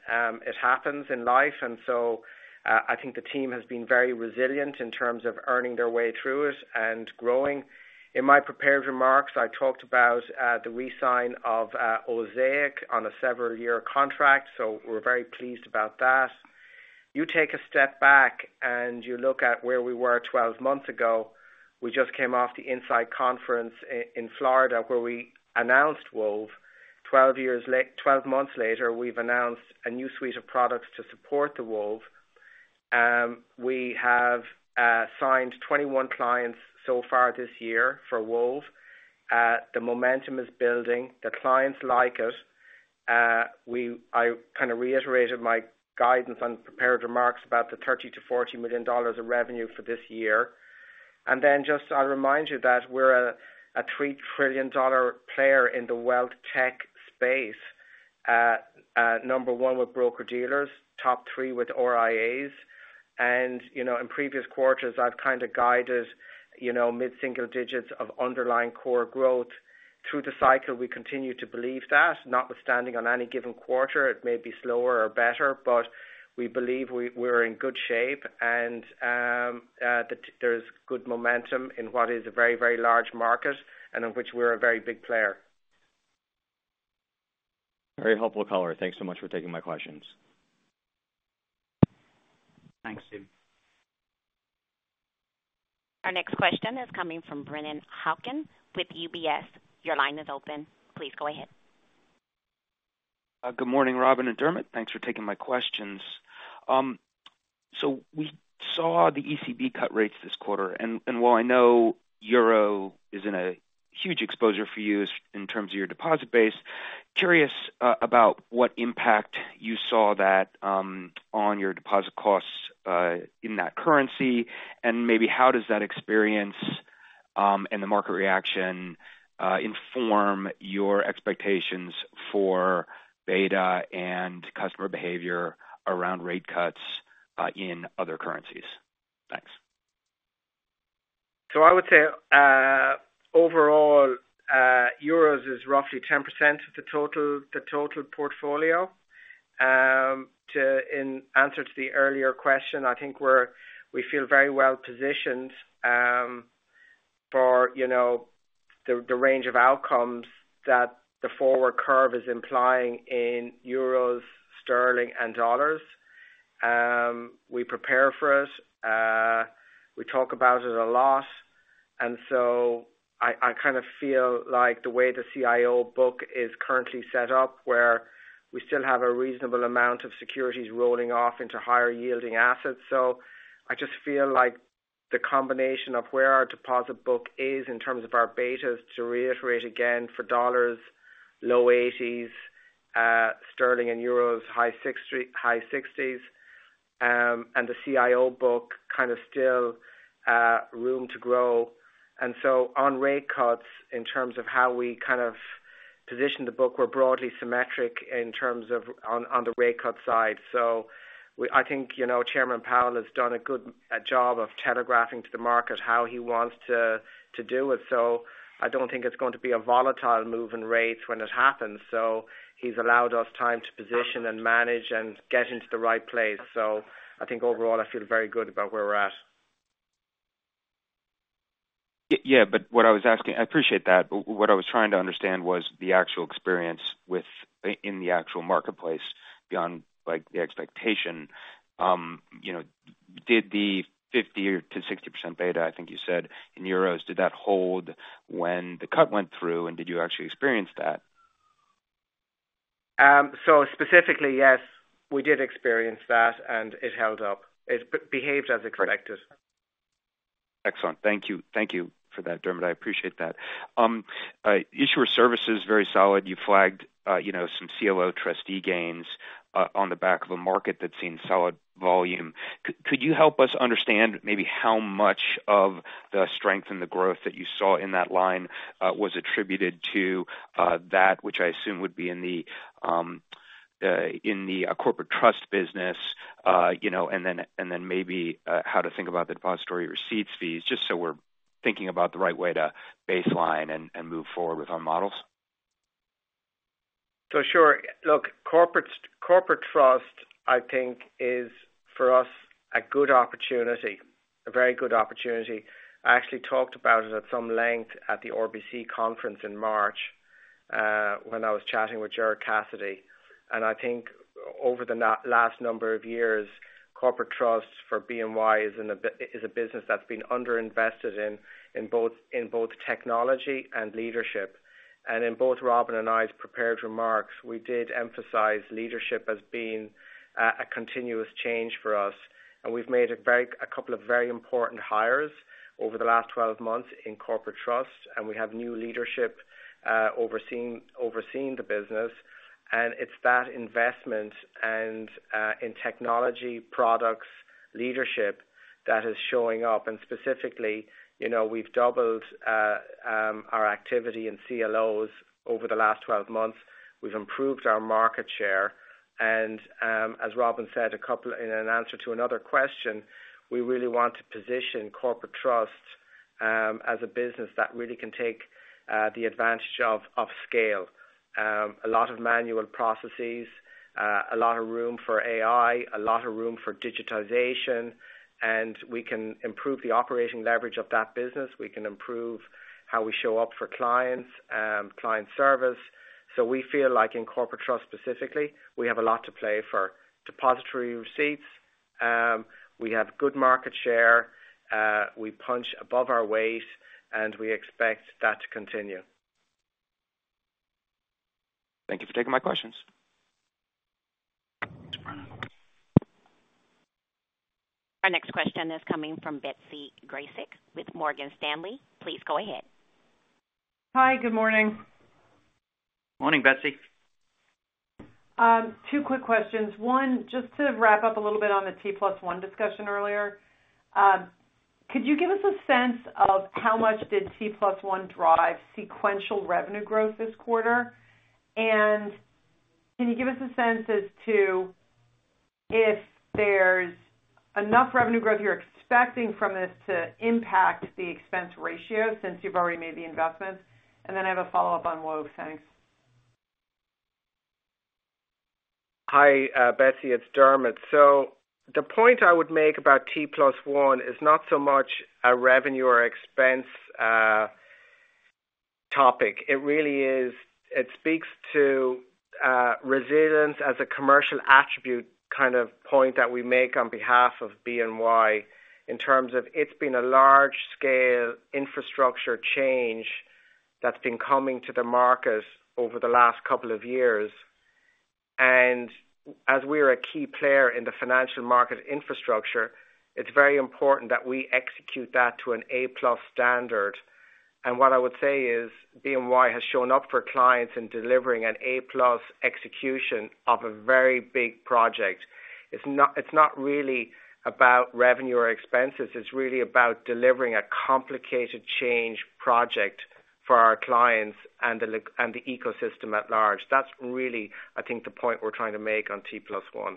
It happens in life, and so, I think the team has been very resilient in terms of earning their way through it and growing. In my prepared remarks, I talked about, the re-sign of, Osaic on a several-year contract, so we're very pleased about that. You take a step back, and you look at where we were 12 months ago, we just came off the Insight Conference in Florida, where we announced Wove. Twelve months later, we've announced a new suite of products to support the Wove. We have signed 21 clients so far this year for Wove. The momentum is building, the clients like it. I kind of reiterated my guidance on prepared remarks about the $30 million-$40 million of revenue for this year. And then just I'll remind you that we're a $3-trillion player in the wealth tech space. Number one with broker-dealers, top three with RIAs. And, you know, in previous quarters, I've kind of guided, you know, mid-single digits of underlying core growth. Through the cycle, we continue to believe that, notwithstanding on any given quarter, it may be slower or better, but we believe we're in good shape and that there's good momentum in what is a very, very large market and in which we're a very big player.
Very helpful color. Thanks so much for taking my questions.
Thanks, Steve.
Our next question is coming from Brennan Hawken with UBS. Your line is open. Please go ahead.
Good morning, Robin and Dermot. Thanks for taking my questions. So we saw the ECB cut rates this quarter, and while I know euro isn't a huge exposure for you in terms of your deposit base, curious about what impact you saw that on your deposit costs in that currency, and maybe how does that experience and the market reaction inform your expectations for beta and customer behavior around rate cuts in other currencies? Thanks.
So I would say, overall, euros is roughly 10% of the total, the total portfolio. In answer to the earlier question, I think we feel very well positioned for, you know, the range of outcomes that the forward curve is implying in euros, sterling, and dollars. We prepare for it, we talk about it a lot, and so I kind of feel like the way the CIO book is currently set up, where we still have a reasonable amount of securities rolling off into higher-yielding assets. So I just feel like the combination of where our deposit book is in terms of our betas, to reiterate, again, for dollars, low 80s%, sterling and euros, high 60s%, and the CIO book kind of still room to grow. And so on rate cuts, in terms of how we kind of position the book, we're broadly symmetric in terms of on, on the rate cut side. So I think, you know, Chairman Powell has done a good job of telegraphing to the market how he wants to, to do it, so I don't think it's going to be a volatile move in rates when it happens. So he's allowed us time to position and manage and get into the right place. So I think overall, I feel very good about where we're at.
Yeah, but what I was asking... I appreciate that, but what I was trying to understand was the actual experience within the actual marketplace, beyond, like, the expectation. You know, did the 50%-60% beta, I think you said, in euros, did that hold when the cut went through, and did you actually experience that?
So, specifically, yes, we did experience that, and it held up. It behaved as expected.
Excellent. Thank you. Thank you for that, Dermot. I appreciate that. Issuer services, very solid. You flagged, you know, some CLO trustee gains, on the back of a market that's seen solid volume. Could you help us understand maybe how much of the strength and the growth that you saw in that line, was attributed to, that, which I assume would be in the, in the corporate trust business? You know, and then maybe, how to think about the depository receipts fees, just so we're thinking about the right way to baseline and, move forward with our models.
So sure. Look, corporate trust, I think, is, for us, a good opportunity, a very good opportunity. I actually talked about it at some length at the RBC conference in March, when I was chatting with Gerard Cassidy, and I think over the last number of years, corporate trust for BNY is a business that's been underinvested in, in both technology and leadership. And in both Robin and I's prepared remarks, we did emphasize leadership as being a continuous change for us. And we've made a couple of very important hires over the last 12 months in corporate trust, and we have new leadership overseeing the business. And it's that investment in technology, products, leadership, that is showing up. Specifically, you know, we've doubled our activity in CLOs over the last 12 months. We've improved our market share, and as Robin said in an answer to another question, we really want to position corporate trust as a business that really can take the advantage of scale. A lot of manual processes, a lot of room for AI, a lot of room for digitization, and we can improve the operating leverage of that business. We can improve how we show up for clients, client service. So we feel like in corporate trust, specifically, we have a lot to play for. Depository receipts, we have good market share, we punch above our weight, and we expect that to continue.
Thank you for taking my questions.
Our next question is coming from Betsy Graseck with Morgan Stanley. Please go ahead.
Hi, good morning.
Morning, Betsy.
Two quick questions. One, just to wrap up a little bit on the T+1 discussion earlier. Could you give us a sense of how much did T+1 drive sequential revenue growth this quarter? And can you give us a sense as to if there's enough revenue growth you're expecting from this to impact the expense ratio since you've already made the investment? And then I have a follow-up on Wove. Thanks.
Hi, Betsy, it's Dermot. So the point I would make about T+1 is not so much a revenue or expense topic. It really is, it speaks to resilience as a commercial attribute kind of point that we make on behalf of BNY, in terms of it's been a large-scale infrastructure change that's been coming to the market over the last couple of years. And as we are a key player in the financial market infrastructure, it's very important that we execute that to an A+ standard. And what I would say is, BNY has shown up for clients in delivering an A+ execution of a very big project. It's not, it's not really about revenue or expenses, it's really about delivering a complicated change project for our clients and the ecosystem at large. That's really, I think, the point we're trying to make on T+1.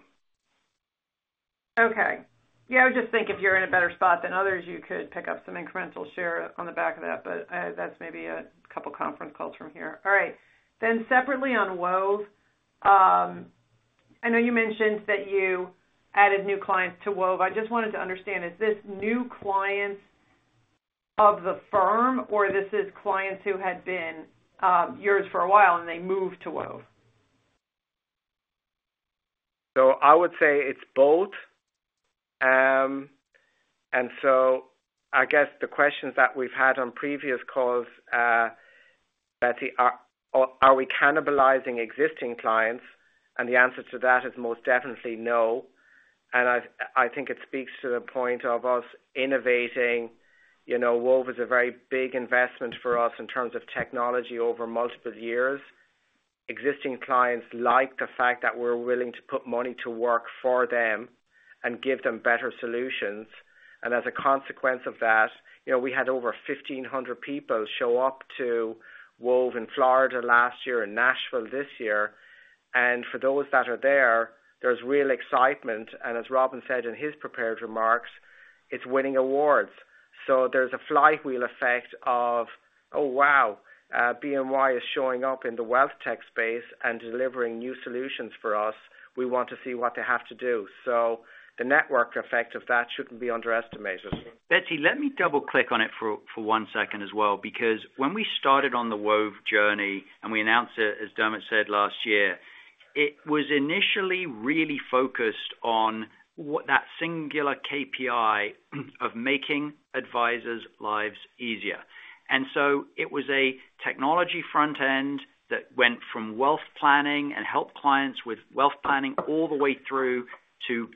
Okay. Yeah, I just think if you're in a better spot than others, you could pick up some incremental share on the back of that, but, that's maybe a couple conference calls from here. All right. Then separately, on Wove. I know you mentioned that you added new clients to Wove. I just wanted to understand, is this new clients of the firm or this is clients who had been, yours for a while and they moved to Wove?
So I would say it's both. And so I guess the questions that we've had on previous calls, Betsy, are we cannibalizing existing clients? And the answer to that is most definitely no. And I think it speaks to the point of us innovating. You know, Wove is a very big investment for us in terms of technology over multiple years. Existing clients like the fact that we're willing to put money to work for them and give them better solutions, and as a consequence of that, you know, we had over 1,500 people show up to Wove in Florida last year and Nashville this year. And for those that are there, there's real excitement, and as Robin said in his prepared remarks, it's winning awards. So there's a flywheel effect of, "Oh, wow, BNY is showing up in the wealth tech space and delivering new solutions for us. We want to see what they have to do." So the network effect of that shouldn't be underestimated.
Betsy, let me double-click on it for, for one second as well, because when we started on the Wove journey and we announced it, as Dermot said last year, it was initially really focused on what that singular KPI of making advisors' lives easier. And so it was a technology front end that went from wealth planning and helped clients with wealth planning all the way through to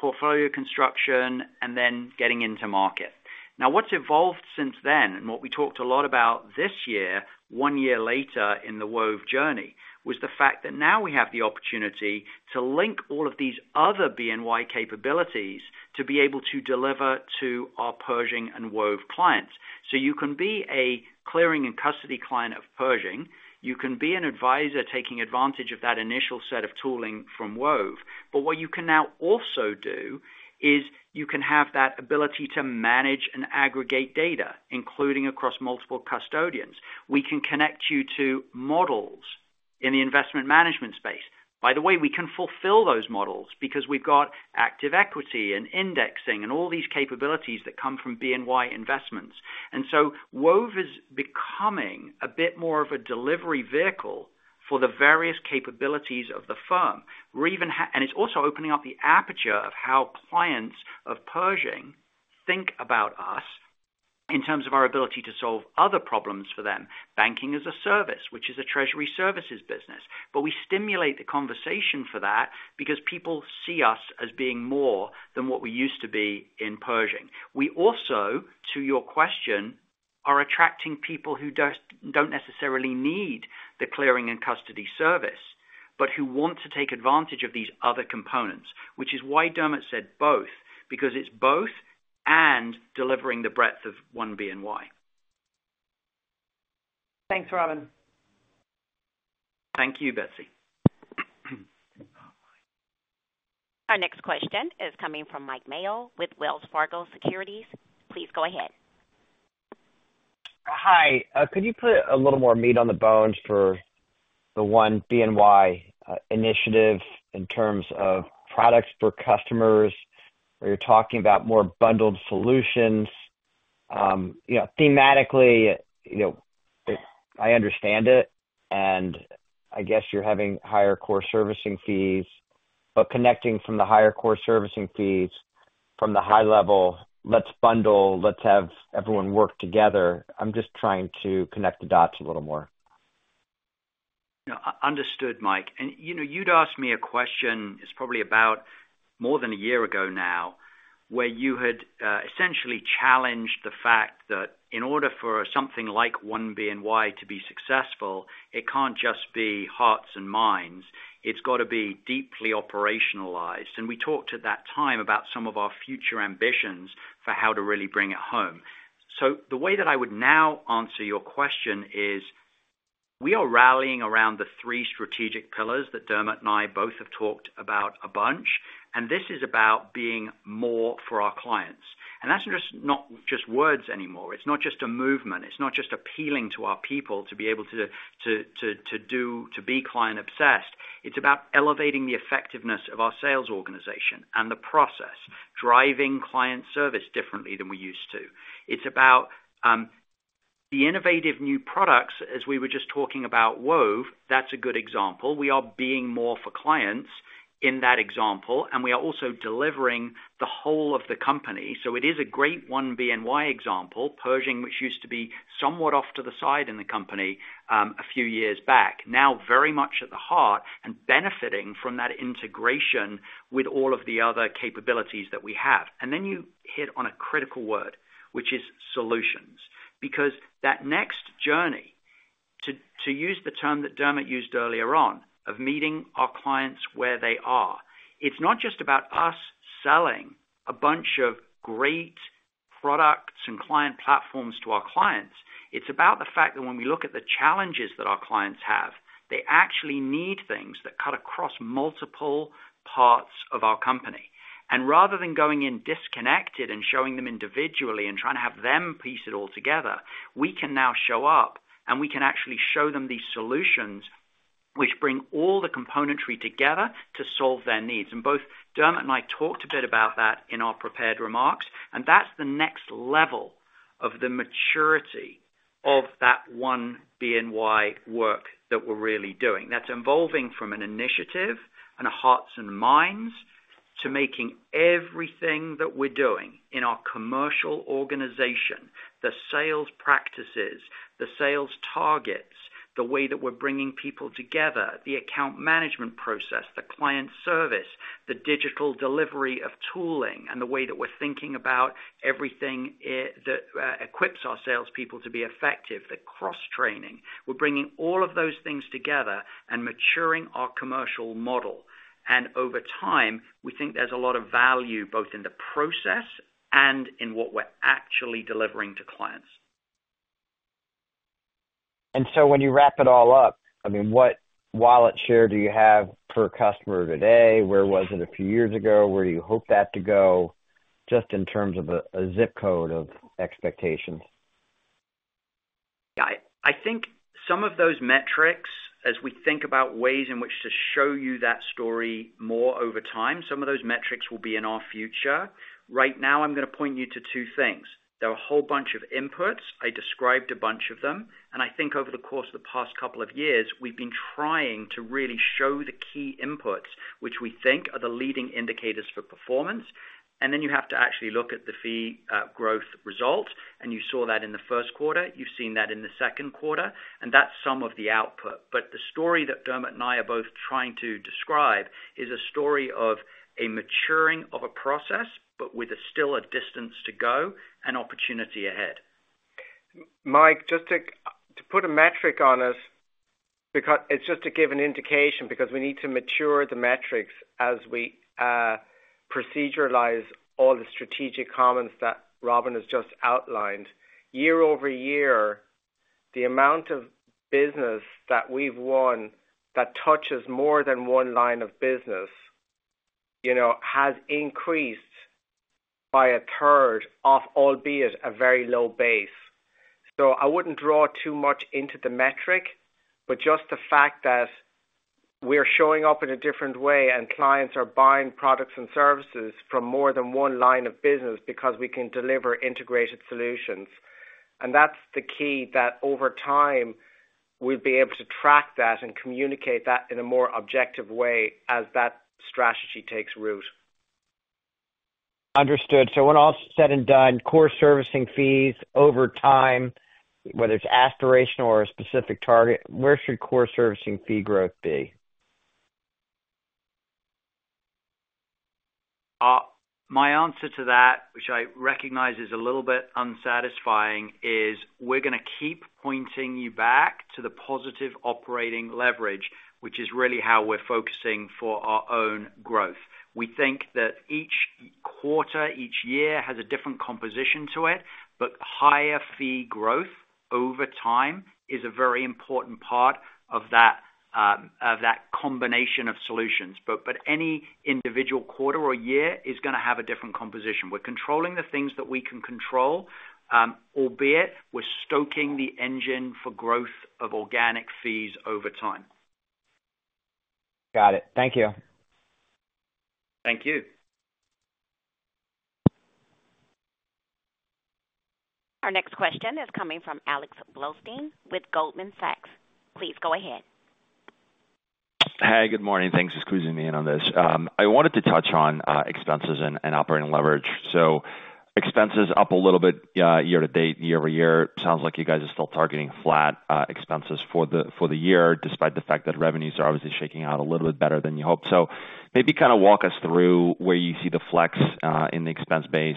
portfolio construction and then getting into market. Now, what's evolved since then, and what we talked a lot about this year, one year later in the Wove journey, was the fact that now we have the opportunity to link all of these other BNY capabilities to be able to deliver to our Pershing and Wove clients. So you can be a clearing and custody client of Pershing. You can be an advisor taking advantage of that initial set of tooling from Wove. But what you can now also do is you can have that ability to manage and aggregate data, including across multiple custodians. We can connect you to models in the investment management space. By the way, we can fulfill those models because we've got active equity and indexing, and all these capabilities that come from BNY Investments. And so Wove is becoming a bit more of a delivery vehicle for the various capabilities of the firm. And it's also opening up the aperture of how clients of Pershing think about us in terms of our ability to solve other problems for them. Banking-as-a-service, which is a treasury services business, but we stimulate the conversation for that because people see us as being more than what we used to be in Pershing. We also, to your question, are attracting people who just don't necessarily need the clearing and custody service, but who want to take advantage of these other components, which is why Dermot said both, because it's both and delivering the breadth of One BNY.
Thanks, Robin.
Thank you, Betsy.
Our next question is coming from Mike Mayo with Wells Fargo Securities. Please go ahead.
Hi, could you put a little more meat on the bones for the One BNY initiative in terms of products for customers, where you're talking about more bundled solutions? You know, thematically, you know, I understand it, and I guess you're having higher core servicing fees, but connecting from the higher core servicing fees from the high level, let's bundle, let's have everyone work together. I'm just trying to connect the dots a little more.
No, understood, Mike. And, you know, you'd asked me a question, it's probably about more than a year ago now, where you had essentially challenged the fact that in order for something like One BNY to be successful, it can't just be hearts and minds. It's got to be deeply operationalized. And we talked at that time about some of our future ambitions for how to really bring it home. So the way that I would now answer your question is, we are rallying around the three strategic pillars that Dermot and I both have talked about a bunch, and this is about being more for our clients. And that's just not just words anymore. It's not just a movement, it's not just appealing to our people to be able to to be client-obsessed. It's about elevating the effectiveness of our sales organization and the process, driving client service differently than we used to. It's about the innovative new products, as we were just talking about Wove, that's a good example. We are being more for clients in that example, and we are also delivering the whole of the company. So it is a great One BNY example. Pershing, which used to be somewhat off to the side in the company, a few years back, now very much at the heart and benefiting from that integration with all of the other capabilities that we have. And then you hit on a critical word, which is solutions, because that next journey, to use the term that Dermot used earlier on, of meeting our clients where they are, it's not just about us selling a bunch of great products and client platforms to our clients. It's about the fact that when we look at the challenges that our clients have, they actually need things that cut across multiple parts of our company. And rather than going in disconnected and showing them individually and trying to have them piece it all together, we can now show up, and we can actually show them these solutions, which bring all the componentry together to solve their needs. And both Dermot and I talked a bit about that in our prepared remarks, and that's the next level of the maturity of that One BNY work that we're really doing. That's evolving from an initiative and a hearts and minds to making everything that we're doing in our commercial organization, the sales practices, the sales targets, the way that we're bringing people together, the account management process, the client service, the digital delivery of tooling, and the way that we're thinking about everything that equips our salespeople to be effective, the cross-training. We're bringing all of those things together and maturing our commercial model. Over time, we think there's a lot of value, both in the process and in what we're actually delivering to clients.
When you wrap it all up, I mean, what wallet share do you have per customer today? Where was it a few years ago? Where do you hope that to go, just in terms of a zip code of expectations?
I think some of those metrics, as we think about ways in which to show you that story more over time, some of those metrics will be in our future. Right now, I'm going to point you to two things. There are a whole bunch of inputs. I described a bunch of them, and I think over the course of the past couple of years, we've been trying to really show the key inputs, which we think are the leading indicators for performance. And then you have to actually look at the fee growth result, and you saw that in the first quarter, you've seen that in the second quarter, and that's some of the output. But the story that Dermot and I are both trying to describe is a story of a maturing of a process, but with still a distance to go and opportunity ahead.
Mike, just to put a metric on this, because it's just to give an indication, because we need to mature the metrics as we proceduralize all the strategic commons that Robin has just outlined. Year-over-year, the amount of business that we've won, that touches more than one line of business, you know, has increased by 1/3 off, albeit a very low base. So I wouldn't draw too much into the metric, but just the fact that we're showing up in a different way, and clients are buying products and services from more than one line of business because we can deliver integrated solutions. And that's the key, that over time, we'll be able to track that and communicate that in a more objective way as that strategy takes root.
Understood. So when all said and done, core servicing fees over time, whether it's aspirational or a specific target, where should core servicing fee growth be?
My answer to that, which I recognize is a little bit unsatisfying, is we're gonna keep pointing you back to the positive operating leverage, which is really how we're focusing for our own growth. We think that each quarter, each year, has a different composition to it, but higher fee growth over time is a very important part of that, of that combination of solutions. But, but any individual quarter or year is gonna have a different composition. We're controlling the things that we can control, albeit we're stoking the engine for growth of organic fees over time.
Got it. Thank you.
Thank you.
Our next question is coming from Alex Blostein with Goldman Sachs. Please go ahead.
Hey, good morning. Thanks for squeezing me in on this. I wanted to touch on expenses and operating leverage. So expenses up a little bit year to date, year over year. Sounds like you guys are still targeting flat expenses for the year, despite the fact that revenues are obviously shaking out a little bit better than you hoped. So maybe kind of walk us through where you see the flex in the expense base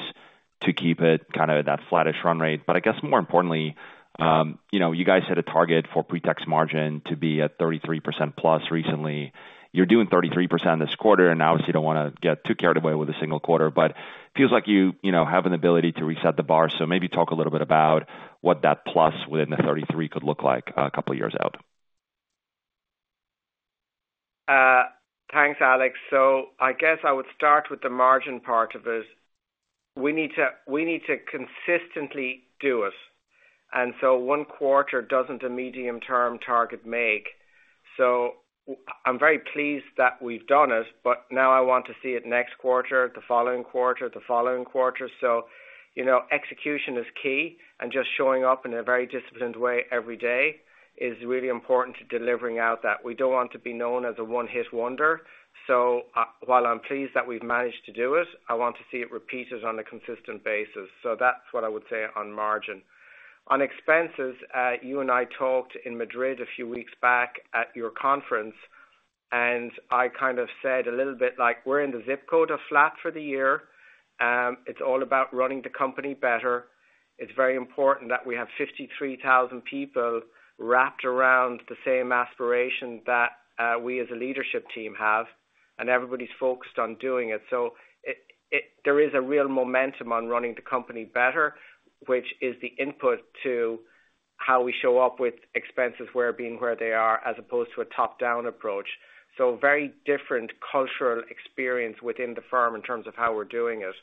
to keep it kind of at that flattish run rate. But I guess more importantly, you know, you guys hit a target for pre-tax margin to be at 33%+ recently. You're doing 33% this quarter, and obviously, don't want to get too carried away with a single quarter, but feels like you, you know, have an ability to reset the bar. So maybe talk a little bit about what that plus within the 33% could look like, a couple of years out.
Thanks, Alex. So I guess I would start with the margin part of it. We need to, we need to consistently do it, and so one quarter doesn't a medium-term target make. So I'm very pleased that we've done it, but now I want to see it next quarter, the following quarter, the following quarter. So, you know, execution is key, and just showing up in a very disciplined way every day is really important to delivering out that. We don't want to be known as a one-hit wonder. So, while I'm pleased that we've managed to do it, I want to see it repeated on a consistent basis. So that's what I would say on margin. On expenses, you and I talked in Madrid a few weeks back at your conference, and I kind of said a little bit like we're in the ZIP code of flat for the year. It's all about running the company better. It's very important that we have 53,000 people wrapped around the same aspiration that, we as a leadership team have, and everybody's focused on doing it. So there is a real momentum on running the company better, which is the input to how we show up with expenses, where being where they are, as opposed to a top-down approach. So very different cultural experience within the firm in terms of how we're doing it.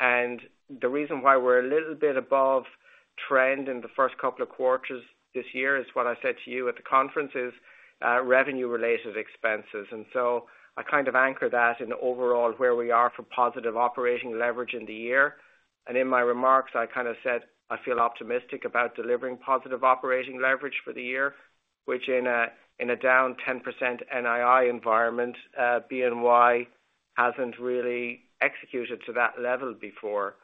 And the reason why we're a little bit above trend in the first couple of quarters this year is what I said to you at the conference, is revenue-related expenses. And so I kind of anchor that in the overall where we are for positive operating leverage in the year. And in my remarks, I kind of said, I feel optimistic about delivering positive operating leverage for the year, which in a, in a down 10% NII environment, BNY hasn't really executed to that level before.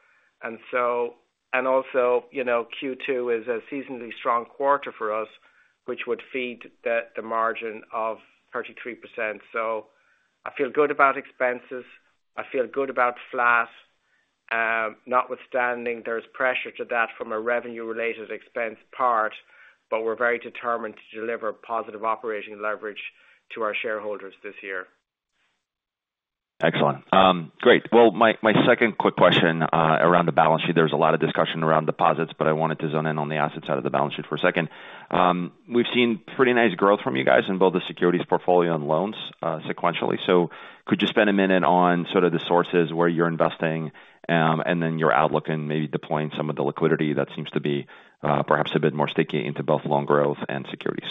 And so and also, you know, Q2 is a seasonally strong quarter for us, which would feed the margin of 33%. So I feel good about expenses. I feel good about flat, notwithstanding, there's pressure to that from a revenue-related expense part, but we're very determined to deliver positive operating leverage to our shareholders this year.
Excellent. Great. Well, my second quick question around the balance sheet. There's a lot of discussion around deposits, but I wanted to zone in on the asset side of the balance sheet for a second. We've seen pretty nice growth from you guys in both the securities portfolio and loans sequentially. So could you spend a minute on sort of the sources where you're investing, and then your outlook and maybe deploying some of the liquidity that seems to be perhaps a bit more sticky into both loan growth and securities?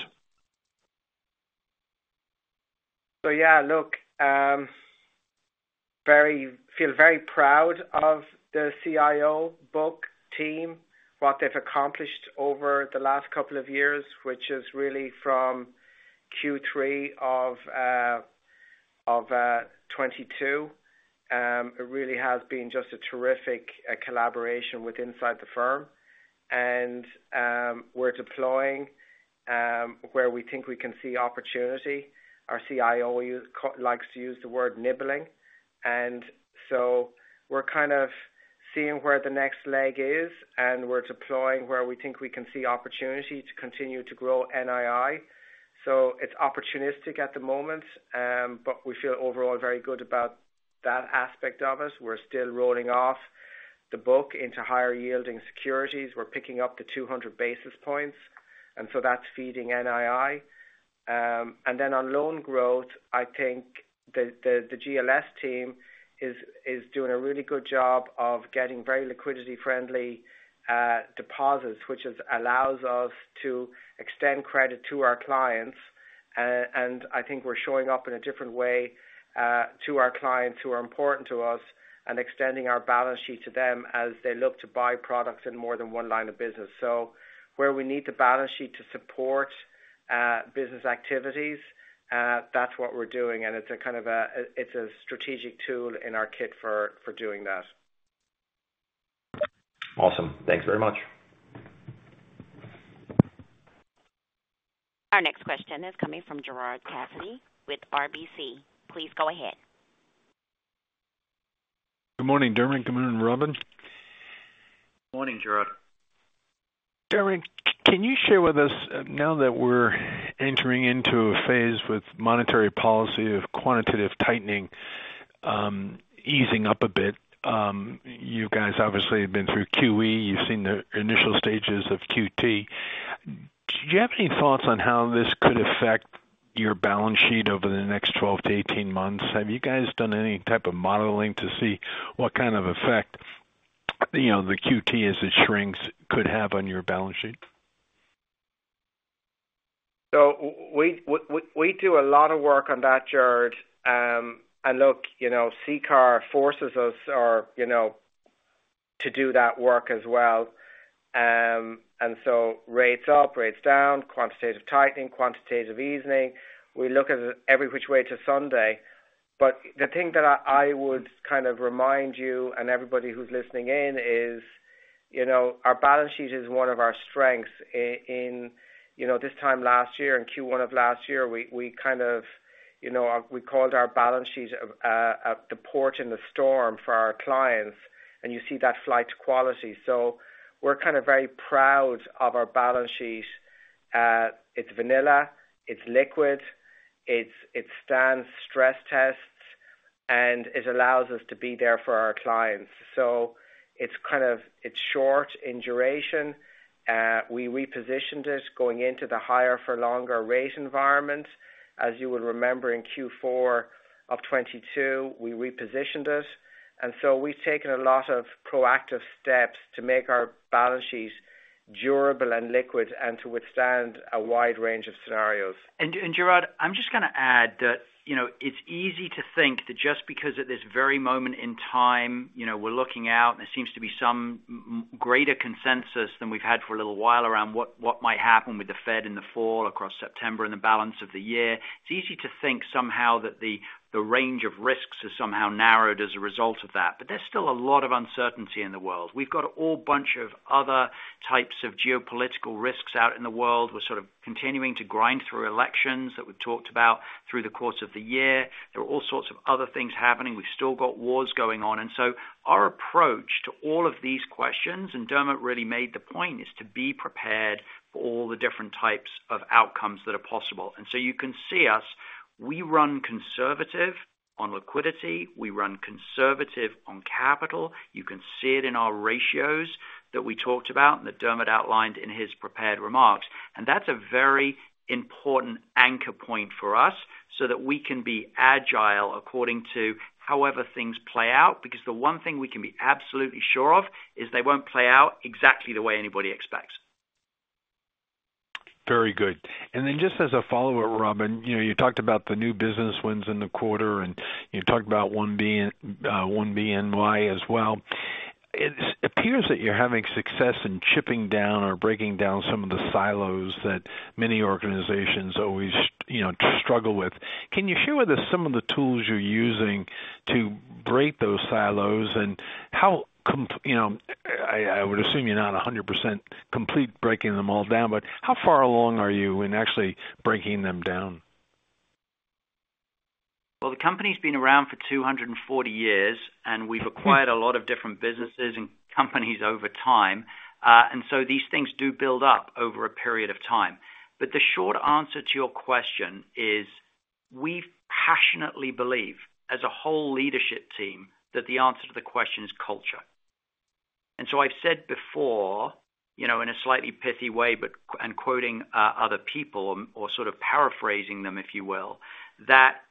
So yeah, look, feel very proud of the CIO book team, what they've accomplished over the last couple of years, which is really from Q3 of 2022. It really has been just a terrific collaboration within the firm. And, we're deploying where we think we can see opportunity. Our CIO likes to use the word nibbling, and so we're kind of seeing where the next leg is, and we're deploying where we think we can see opportunity to continue to grow NII. So it's opportunistic at the moment, but we feel overall very good about that aspect of it. We're still rolling off the book into higher-yielding securities. We're picking up to 200 basis points. And so that's feeding NII. And then on loan growth, I think the GLS team is doing a really good job of getting very liquidity-friendly deposits, which allows us to extend credit to our clients. And I think we're showing up in a different way to our clients who are important to us, and extending our balance sheet to them as they look to buy products in more than one line of business. So where we need the balance sheet to support business activities, that's what we're doing, and it's kind of a strategic tool in our kit for doing that.
Awesome. Thanks very much.
Our next question is coming from Gerard Cassidy with RBC. Please go ahead.
Good morning, Dermot. Good morning, Robin.
Morning, Gerard.
Dermot, can you share with us, now that we're entering into a phase with monetary policy of quantitative tightening, easing up a bit, you guys obviously have been through QE, you've seen the initial stages of QT. Do you have any thoughts on how this could affect your balance sheet over the next 12 to 18 months? Have you guys done any type of modeling to see what kind of effect, you know, the QT, as it shrinks, could have on your balance sheet?
So we do a lot of work on that, Gerard. And look, you know, CCAR forces us, or, you know, to do that work as well. And so rates up, rates down, quantitative tightening, quantitative easing. We look at it every which way to Sunday. But the thing that I would kind of remind you and everybody who's listening in is, you know, our balance sheet is one of our strengths. In, you know, this time last year, in Q1 of last year, we kind of, you know, we called our balance sheet the port in the storm for our clients, and you see that flight to quality. So we're kind of very proud of our balance sheet. It's vanilla, it's liquid, it stands stress tests, and it allows us to be there for our clients. So it's kind of, it's short in duration. We repositioned it going into the higher for longer rate environment. As you will remember, in Q4 of 2022, we repositioned it, and so we've taken a lot of proactive steps to make our balance sheets durable and liquid and to withstand a wide range of scenarios.
And, Gerard, I'm just gonna add that, you know, it's easy to think that just because at this very moment in time, you know, we're looking out, and there seems to be some greater consensus than we've had for a little while around what might happen with the Fed in the fall, across September, and the balance of the year. It's easy to think somehow that the range of risks has somehow narrowed as a result of that. But there's still a lot of uncertainty in the world. We've got a whole bunch of other types of geopolitical risks out in the world. We're sort of continuing to grind through elections that we've talked about through the course of the year. There are all sorts of other things happening. We've still got wars going on. Our approach to all of these questions, and Dermot really made the point, is to be prepared for all the different types of outcomes that are possible. You can see us, we run conservative on liquidity, we run conservative on capital. You can see it in our ratios that we talked about, and that Dermot outlined in his prepared remarks. That's a very important anchor point for us, so that we can be agile according to however things play out, because the one thing we can be absolutely sure of is they won't play out exactly the way anybody expects.
Very good. And then just as a follow-up, Robin, you know, you talked about the new business wins in the quarter, and you talked about one being One BNY as well. It appears that you're having success in chipping down or breaking down some of the silos that many organizations always, you know, struggle with. Can you share with us some of the tools you're using to break those silos, and how you know, I, I would assume you're not 100% complete, breaking them all down, but how far along are you in actually breaking them down?
Well, the company's been around for 240 years, and we've acquired a lot of different businesses and companies over time. And so these things do build up over a period of time. But the short answer to your question is, we passionately believe, as a whole leadership team, that the answer to the question is culture. And so I've said before, you know, in a slightly pithy way, but and quoting other people, or sort of paraphrasing them, if you will, that,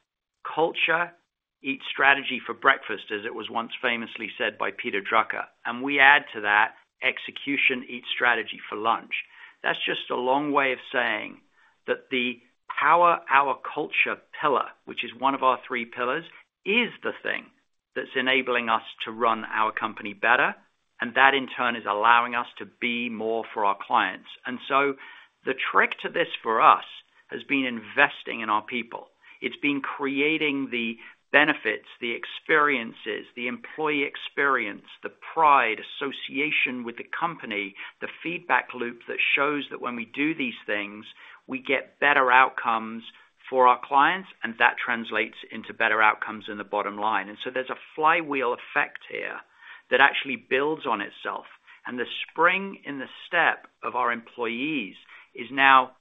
"Culture eats strategy for breakfast," as it was once famously said by Peter Drucker. We add to that, "Execution eats strategy for lunch." That's just a long way of saying that the power our culture pillar, which is one of our three pillars, is the thing that's enabling us to run our company better, and that, in turn, is allowing us to be more for our clients. So the trick to this for us has been investing in our people. It's been creating the benefits, the experiences, the employee experience, the pride, association with the company, the feedback loop that shows that when we do these things, we get better outcomes for our clients, and that translates into better outcomes in the bottom line. So there's a flywheel effect here that actually builds on itself. And the spring in the step of our employees is now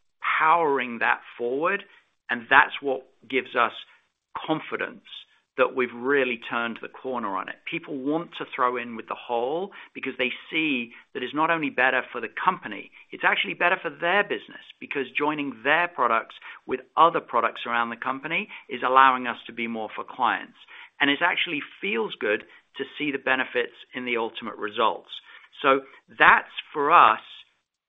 powering that forward, and that's what gives us confidence that we've really turned the corner on it. People want to throw in with the whole, because they see that it's not only better for the company, it's actually better for their business, because joining their products with other products around the company is allowing us to be more for clients. And it actually feels good to see the benefits in the ultimate results. So that's, for us,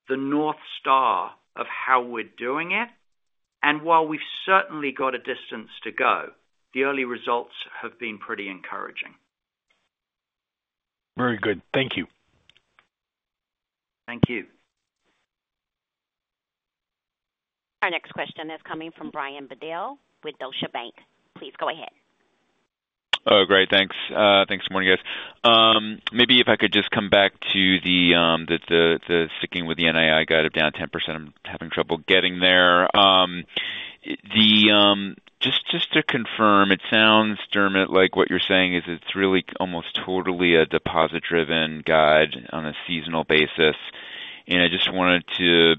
the North Star of how we're doing it. And while we've certainly got a distance to go, the early results have been pretty encouraging.
Very good. Thank you.
Thank you.
Our next question is coming from Brian Bedell with Deutsche Bank. Please go ahead.
Oh, great, thanks. Thanks, good morning, guys. Maybe if I could just come back to the sticking with the NII guide of down 10%, I'm having trouble getting there. Just to confirm, it sounds, Dermot, like what you're saying is it's really almost totally a deposit-driven guide on a seasonal basis. And I just wanted to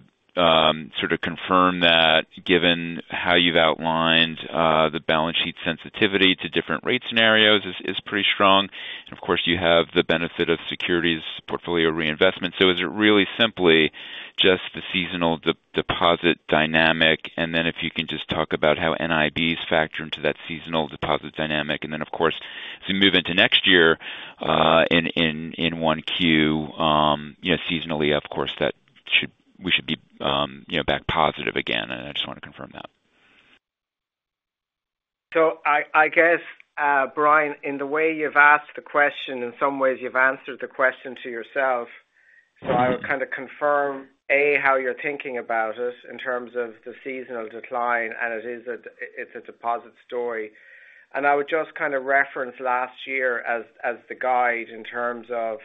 sort of confirm that, given how you've outlined the balance sheet sensitivity to different rate scenarios is pretty strong. And of course, you have the benefit of securities portfolio reinvestment. So is it really simply just the seasonal deposit dynamic? Then if you can just talk about how NIBs factor into that seasonal deposit dynamic, and then, of course, as we move into next year, in 1Q, you know, seasonally, of course, that should, we should be, you know, back positive again, and I just want to confirm that.
So I, I guess, Brian, in the way you've asked the question, in some ways you've answered the question to yourself. So I would kind of confirm, A, how you're thinking about it in terms of the seasonal decline, and it is a, it's a deposit story. And I would just kind of reference last year as the guide in terms of,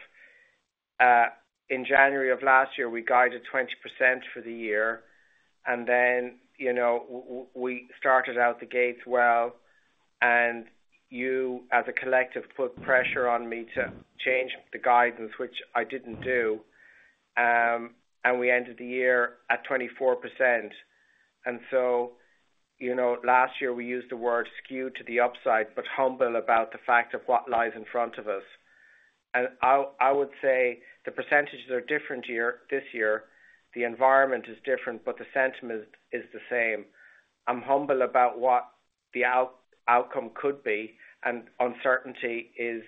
in January of last year, we guided 20% for the year, and then, you know, we started out the gates well, and you, as a collective, put pressure on me to change the guidance, which I didn't do. And we ended the year at 24%. And so, you know, last year we used the word skewed to the upside, but humble about the fact of what lies in front of us. I would say the percentages are different this year. The environment is different, but the sentiment is the same. I'm humble about what the outcome could be, and uncertainty is.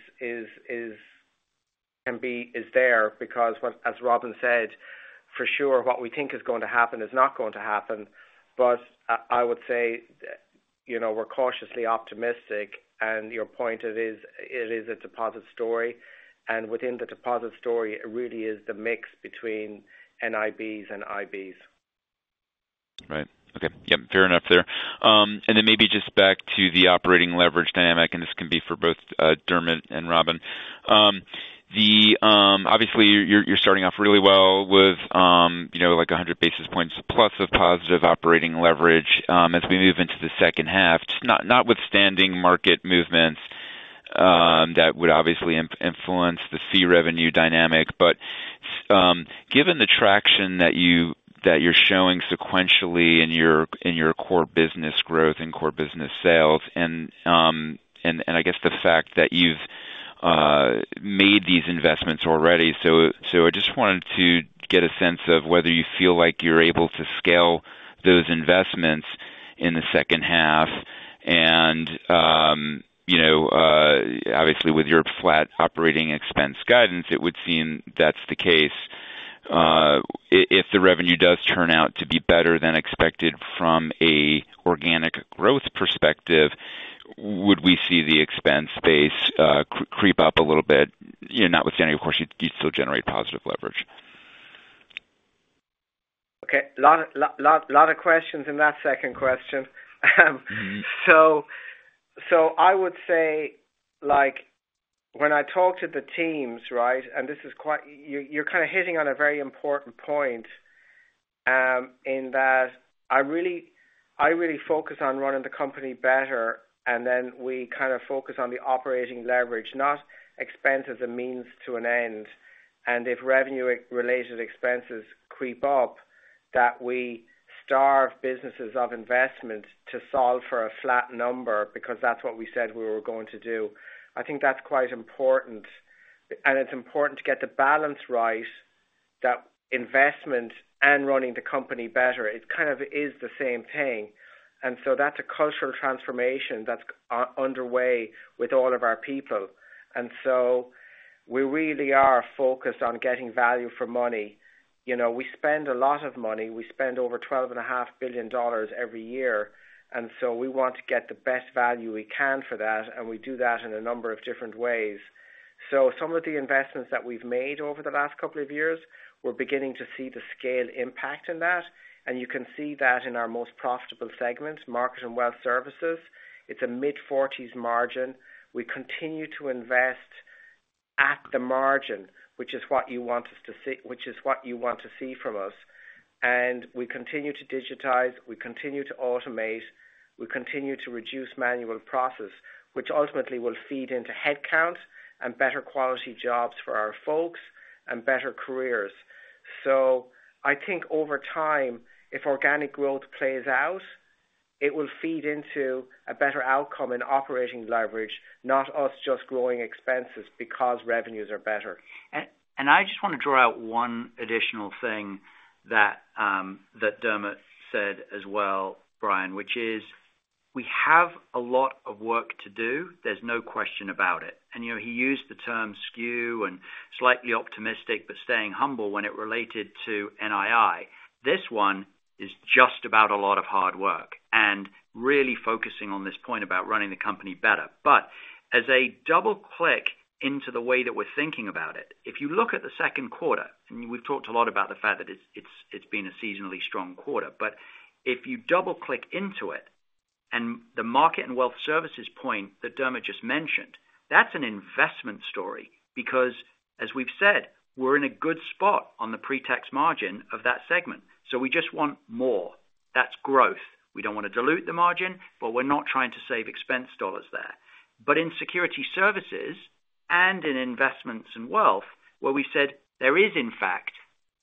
Can be, is there, because, as Robin said, for sure, what we think is going to happen is not going to happen. But I would say, you know, we're cautiously optimistic, and your point, it is a deposit story, and within the deposit story, it really is the mix between NIBs and IBs.
Right. Okay. Yep, fair enough there. And then maybe just back to the operating leverage dynamic, and this can be for both, Dermot and Robin. Obviously, you're starting off really well with, you know, like 100 basis points plus of positive operating leverage, as we move into the second half, just not, notwithstanding market movements, that would obviously influence the fee revenue dynamic. But, given the traction that you're showing sequentially in your core business growth and core business sales, and I guess the fact that you've made these investments already. So, I just wanted to get a sense of whether you feel like you're able to scale those investments in the second half. You know, obviously, with your flat operating expense guidance, it would seem that's the case. If the revenue does turn out to be better than expected from an organic growth perspective, would we see the expense base creep up a little bit? You know, notwithstanding, of course, you'd still generate positive leverage.
Okay. Lot of questions in that second question.
Mm-hmm.
So, so I would say, like, when I talk to the teams, right? And this is quite... You're, you're kind of hitting on a very important point, in that I really, I really focus on running the company better, and then we kind of focus on the operating leverage, not expense as a means to an end. And if revenue-related expenses creep up, that we starve businesses of investment to solve for a flat number, because that's what we said we were going to do. I think that's quite important, and it's important to get the balance right, that investment and running the company better, it kind of is the same thing. And so that's a cultural transformation that's underway with all of our people. And so we really are focused on getting value for money. You know, we spend a lot of money. We spend over $12.5 billion every year, and so we want to get the best value we can for that, and we do that in a number of different ways. So some of the investments that we've made over the last couple of years, we're beginning to see the scale impact in that, and you can see that in our most profitable segments, market and wealth services. It's a mid-40s margin. We continue to invest at the margin, which is what you want us to see - which is what you want to see from us. And we continue to digitize, we continue to automate, we continue to reduce manual process, which ultimately will feed into headcount and better quality jobs for our folks, and better careers. So I think over time, if organic growth plays out, It will feed into a better outcome in operating leverage, not us just growing expenses because revenues are better.
And I just want to draw out one additional thing that that Dermot said as well, Brian, which is we have a lot of work to do. There's no question about it. And, you know, he used the term skew and slightly optimistic, but staying humble when it related to NII. This one is just about a lot of hard work and really focusing on this point about running the company better. But as a double click into the way that we're thinking about it, if you look at the second quarter, and we've talked a lot about the fact that it's, it's been a seasonally strong quarter, but if you double-click into it and the market and wealth services point that Dermot just mentioned, that's an investment story, because as we've said, we're in a good spot on the pre-tax margin of that segment, so we just want more. That's growth. We don't want to dilute the margin, but we're not trying to save expense dollars there. But in Securities Services and in investments and wealth, where we said there is, in fact,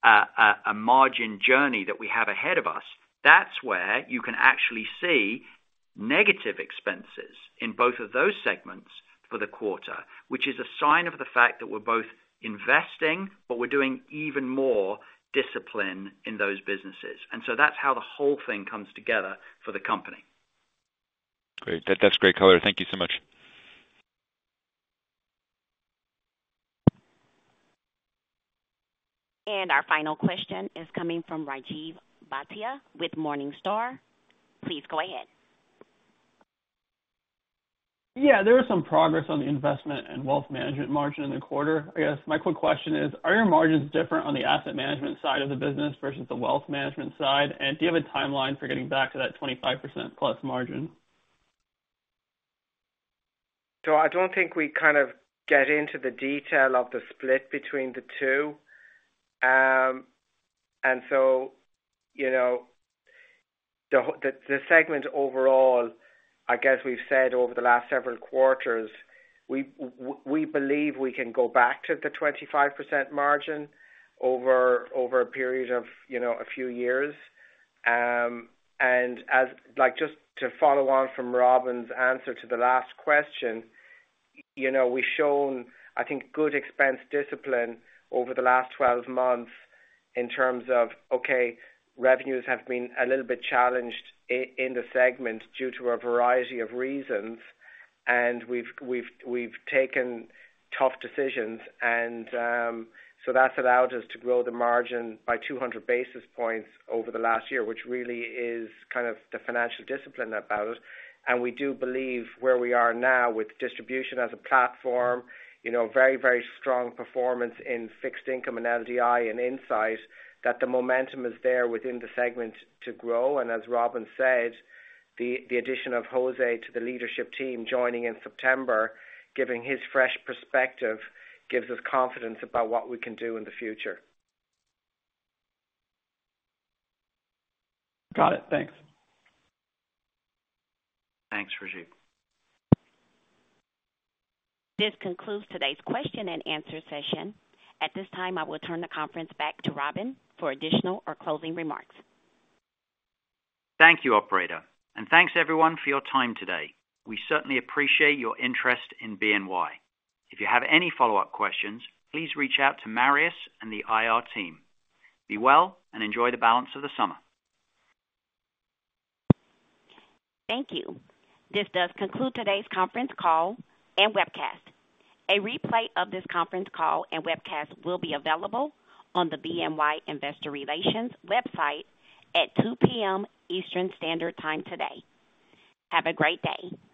a margin journey that we have ahead of us, that's where you can actually see negative expenses in both of those segments for the quarter, which is a sign of the fact that we're both investing, but we're doing even more discipline in those businesses. And so that's how the whole thing comes together for the company.
Great. That, that's great color. Thank you so much.
Our final question is coming from Rajiv Bhatia with Morningstar. Please go ahead.
Yeah, there was some progress on the investment and wealth management margin in the quarter. I guess my quick question is, are your margins different on the asset management side of the business versus the wealth management side? And do you have a timeline for getting back to that 25%+ margin?
So I don't think we kind of get into the detail of the split between the two. And so, you know, the whole segment overall, I guess we've said over the last several quarters, we believe we can go back to the 25% margin over a period of, you know, a few years. Like, just to follow on from Robin's answer to the last question, you know, we've shown, I think, good expense discipline over the last 12 months in terms of, okay, revenues have been a little bit challenged in the segment due to a variety of reasons, and we've taken tough decisions, and so that's allowed us to grow the margin by 200 basis points over the last year, which really is kind of the financial discipline about it. And we do believe where we are now with distribution as a platform, you know, very, very strong performance in fixed income and LDI and Insight, that the momentum is there within the segment to grow. And as Robin said, the addition of Jose to the leadership team joining in September, giving his fresh perspective, gives us confidence about what we can do in the future.
Got it. Thanks.
Thanks, Rajiv.
This concludes today's question and answer session. At this time, I will turn the conference back to Robin for additional or closing remarks.
Thank you, Operator, and thanks everyone for your time today. We certainly appreciate your interest in BNY. If you have any follow-up questions, please reach out to Marius and the IR team. Be well and enjoy the balance of the summer.
Thank you. This does conclude today's conference call and webcast. A replay of this conference call and webcast will be available on the BNY investor relations website at 2:00 P.M. Eastern Standard Time today. Have a great day.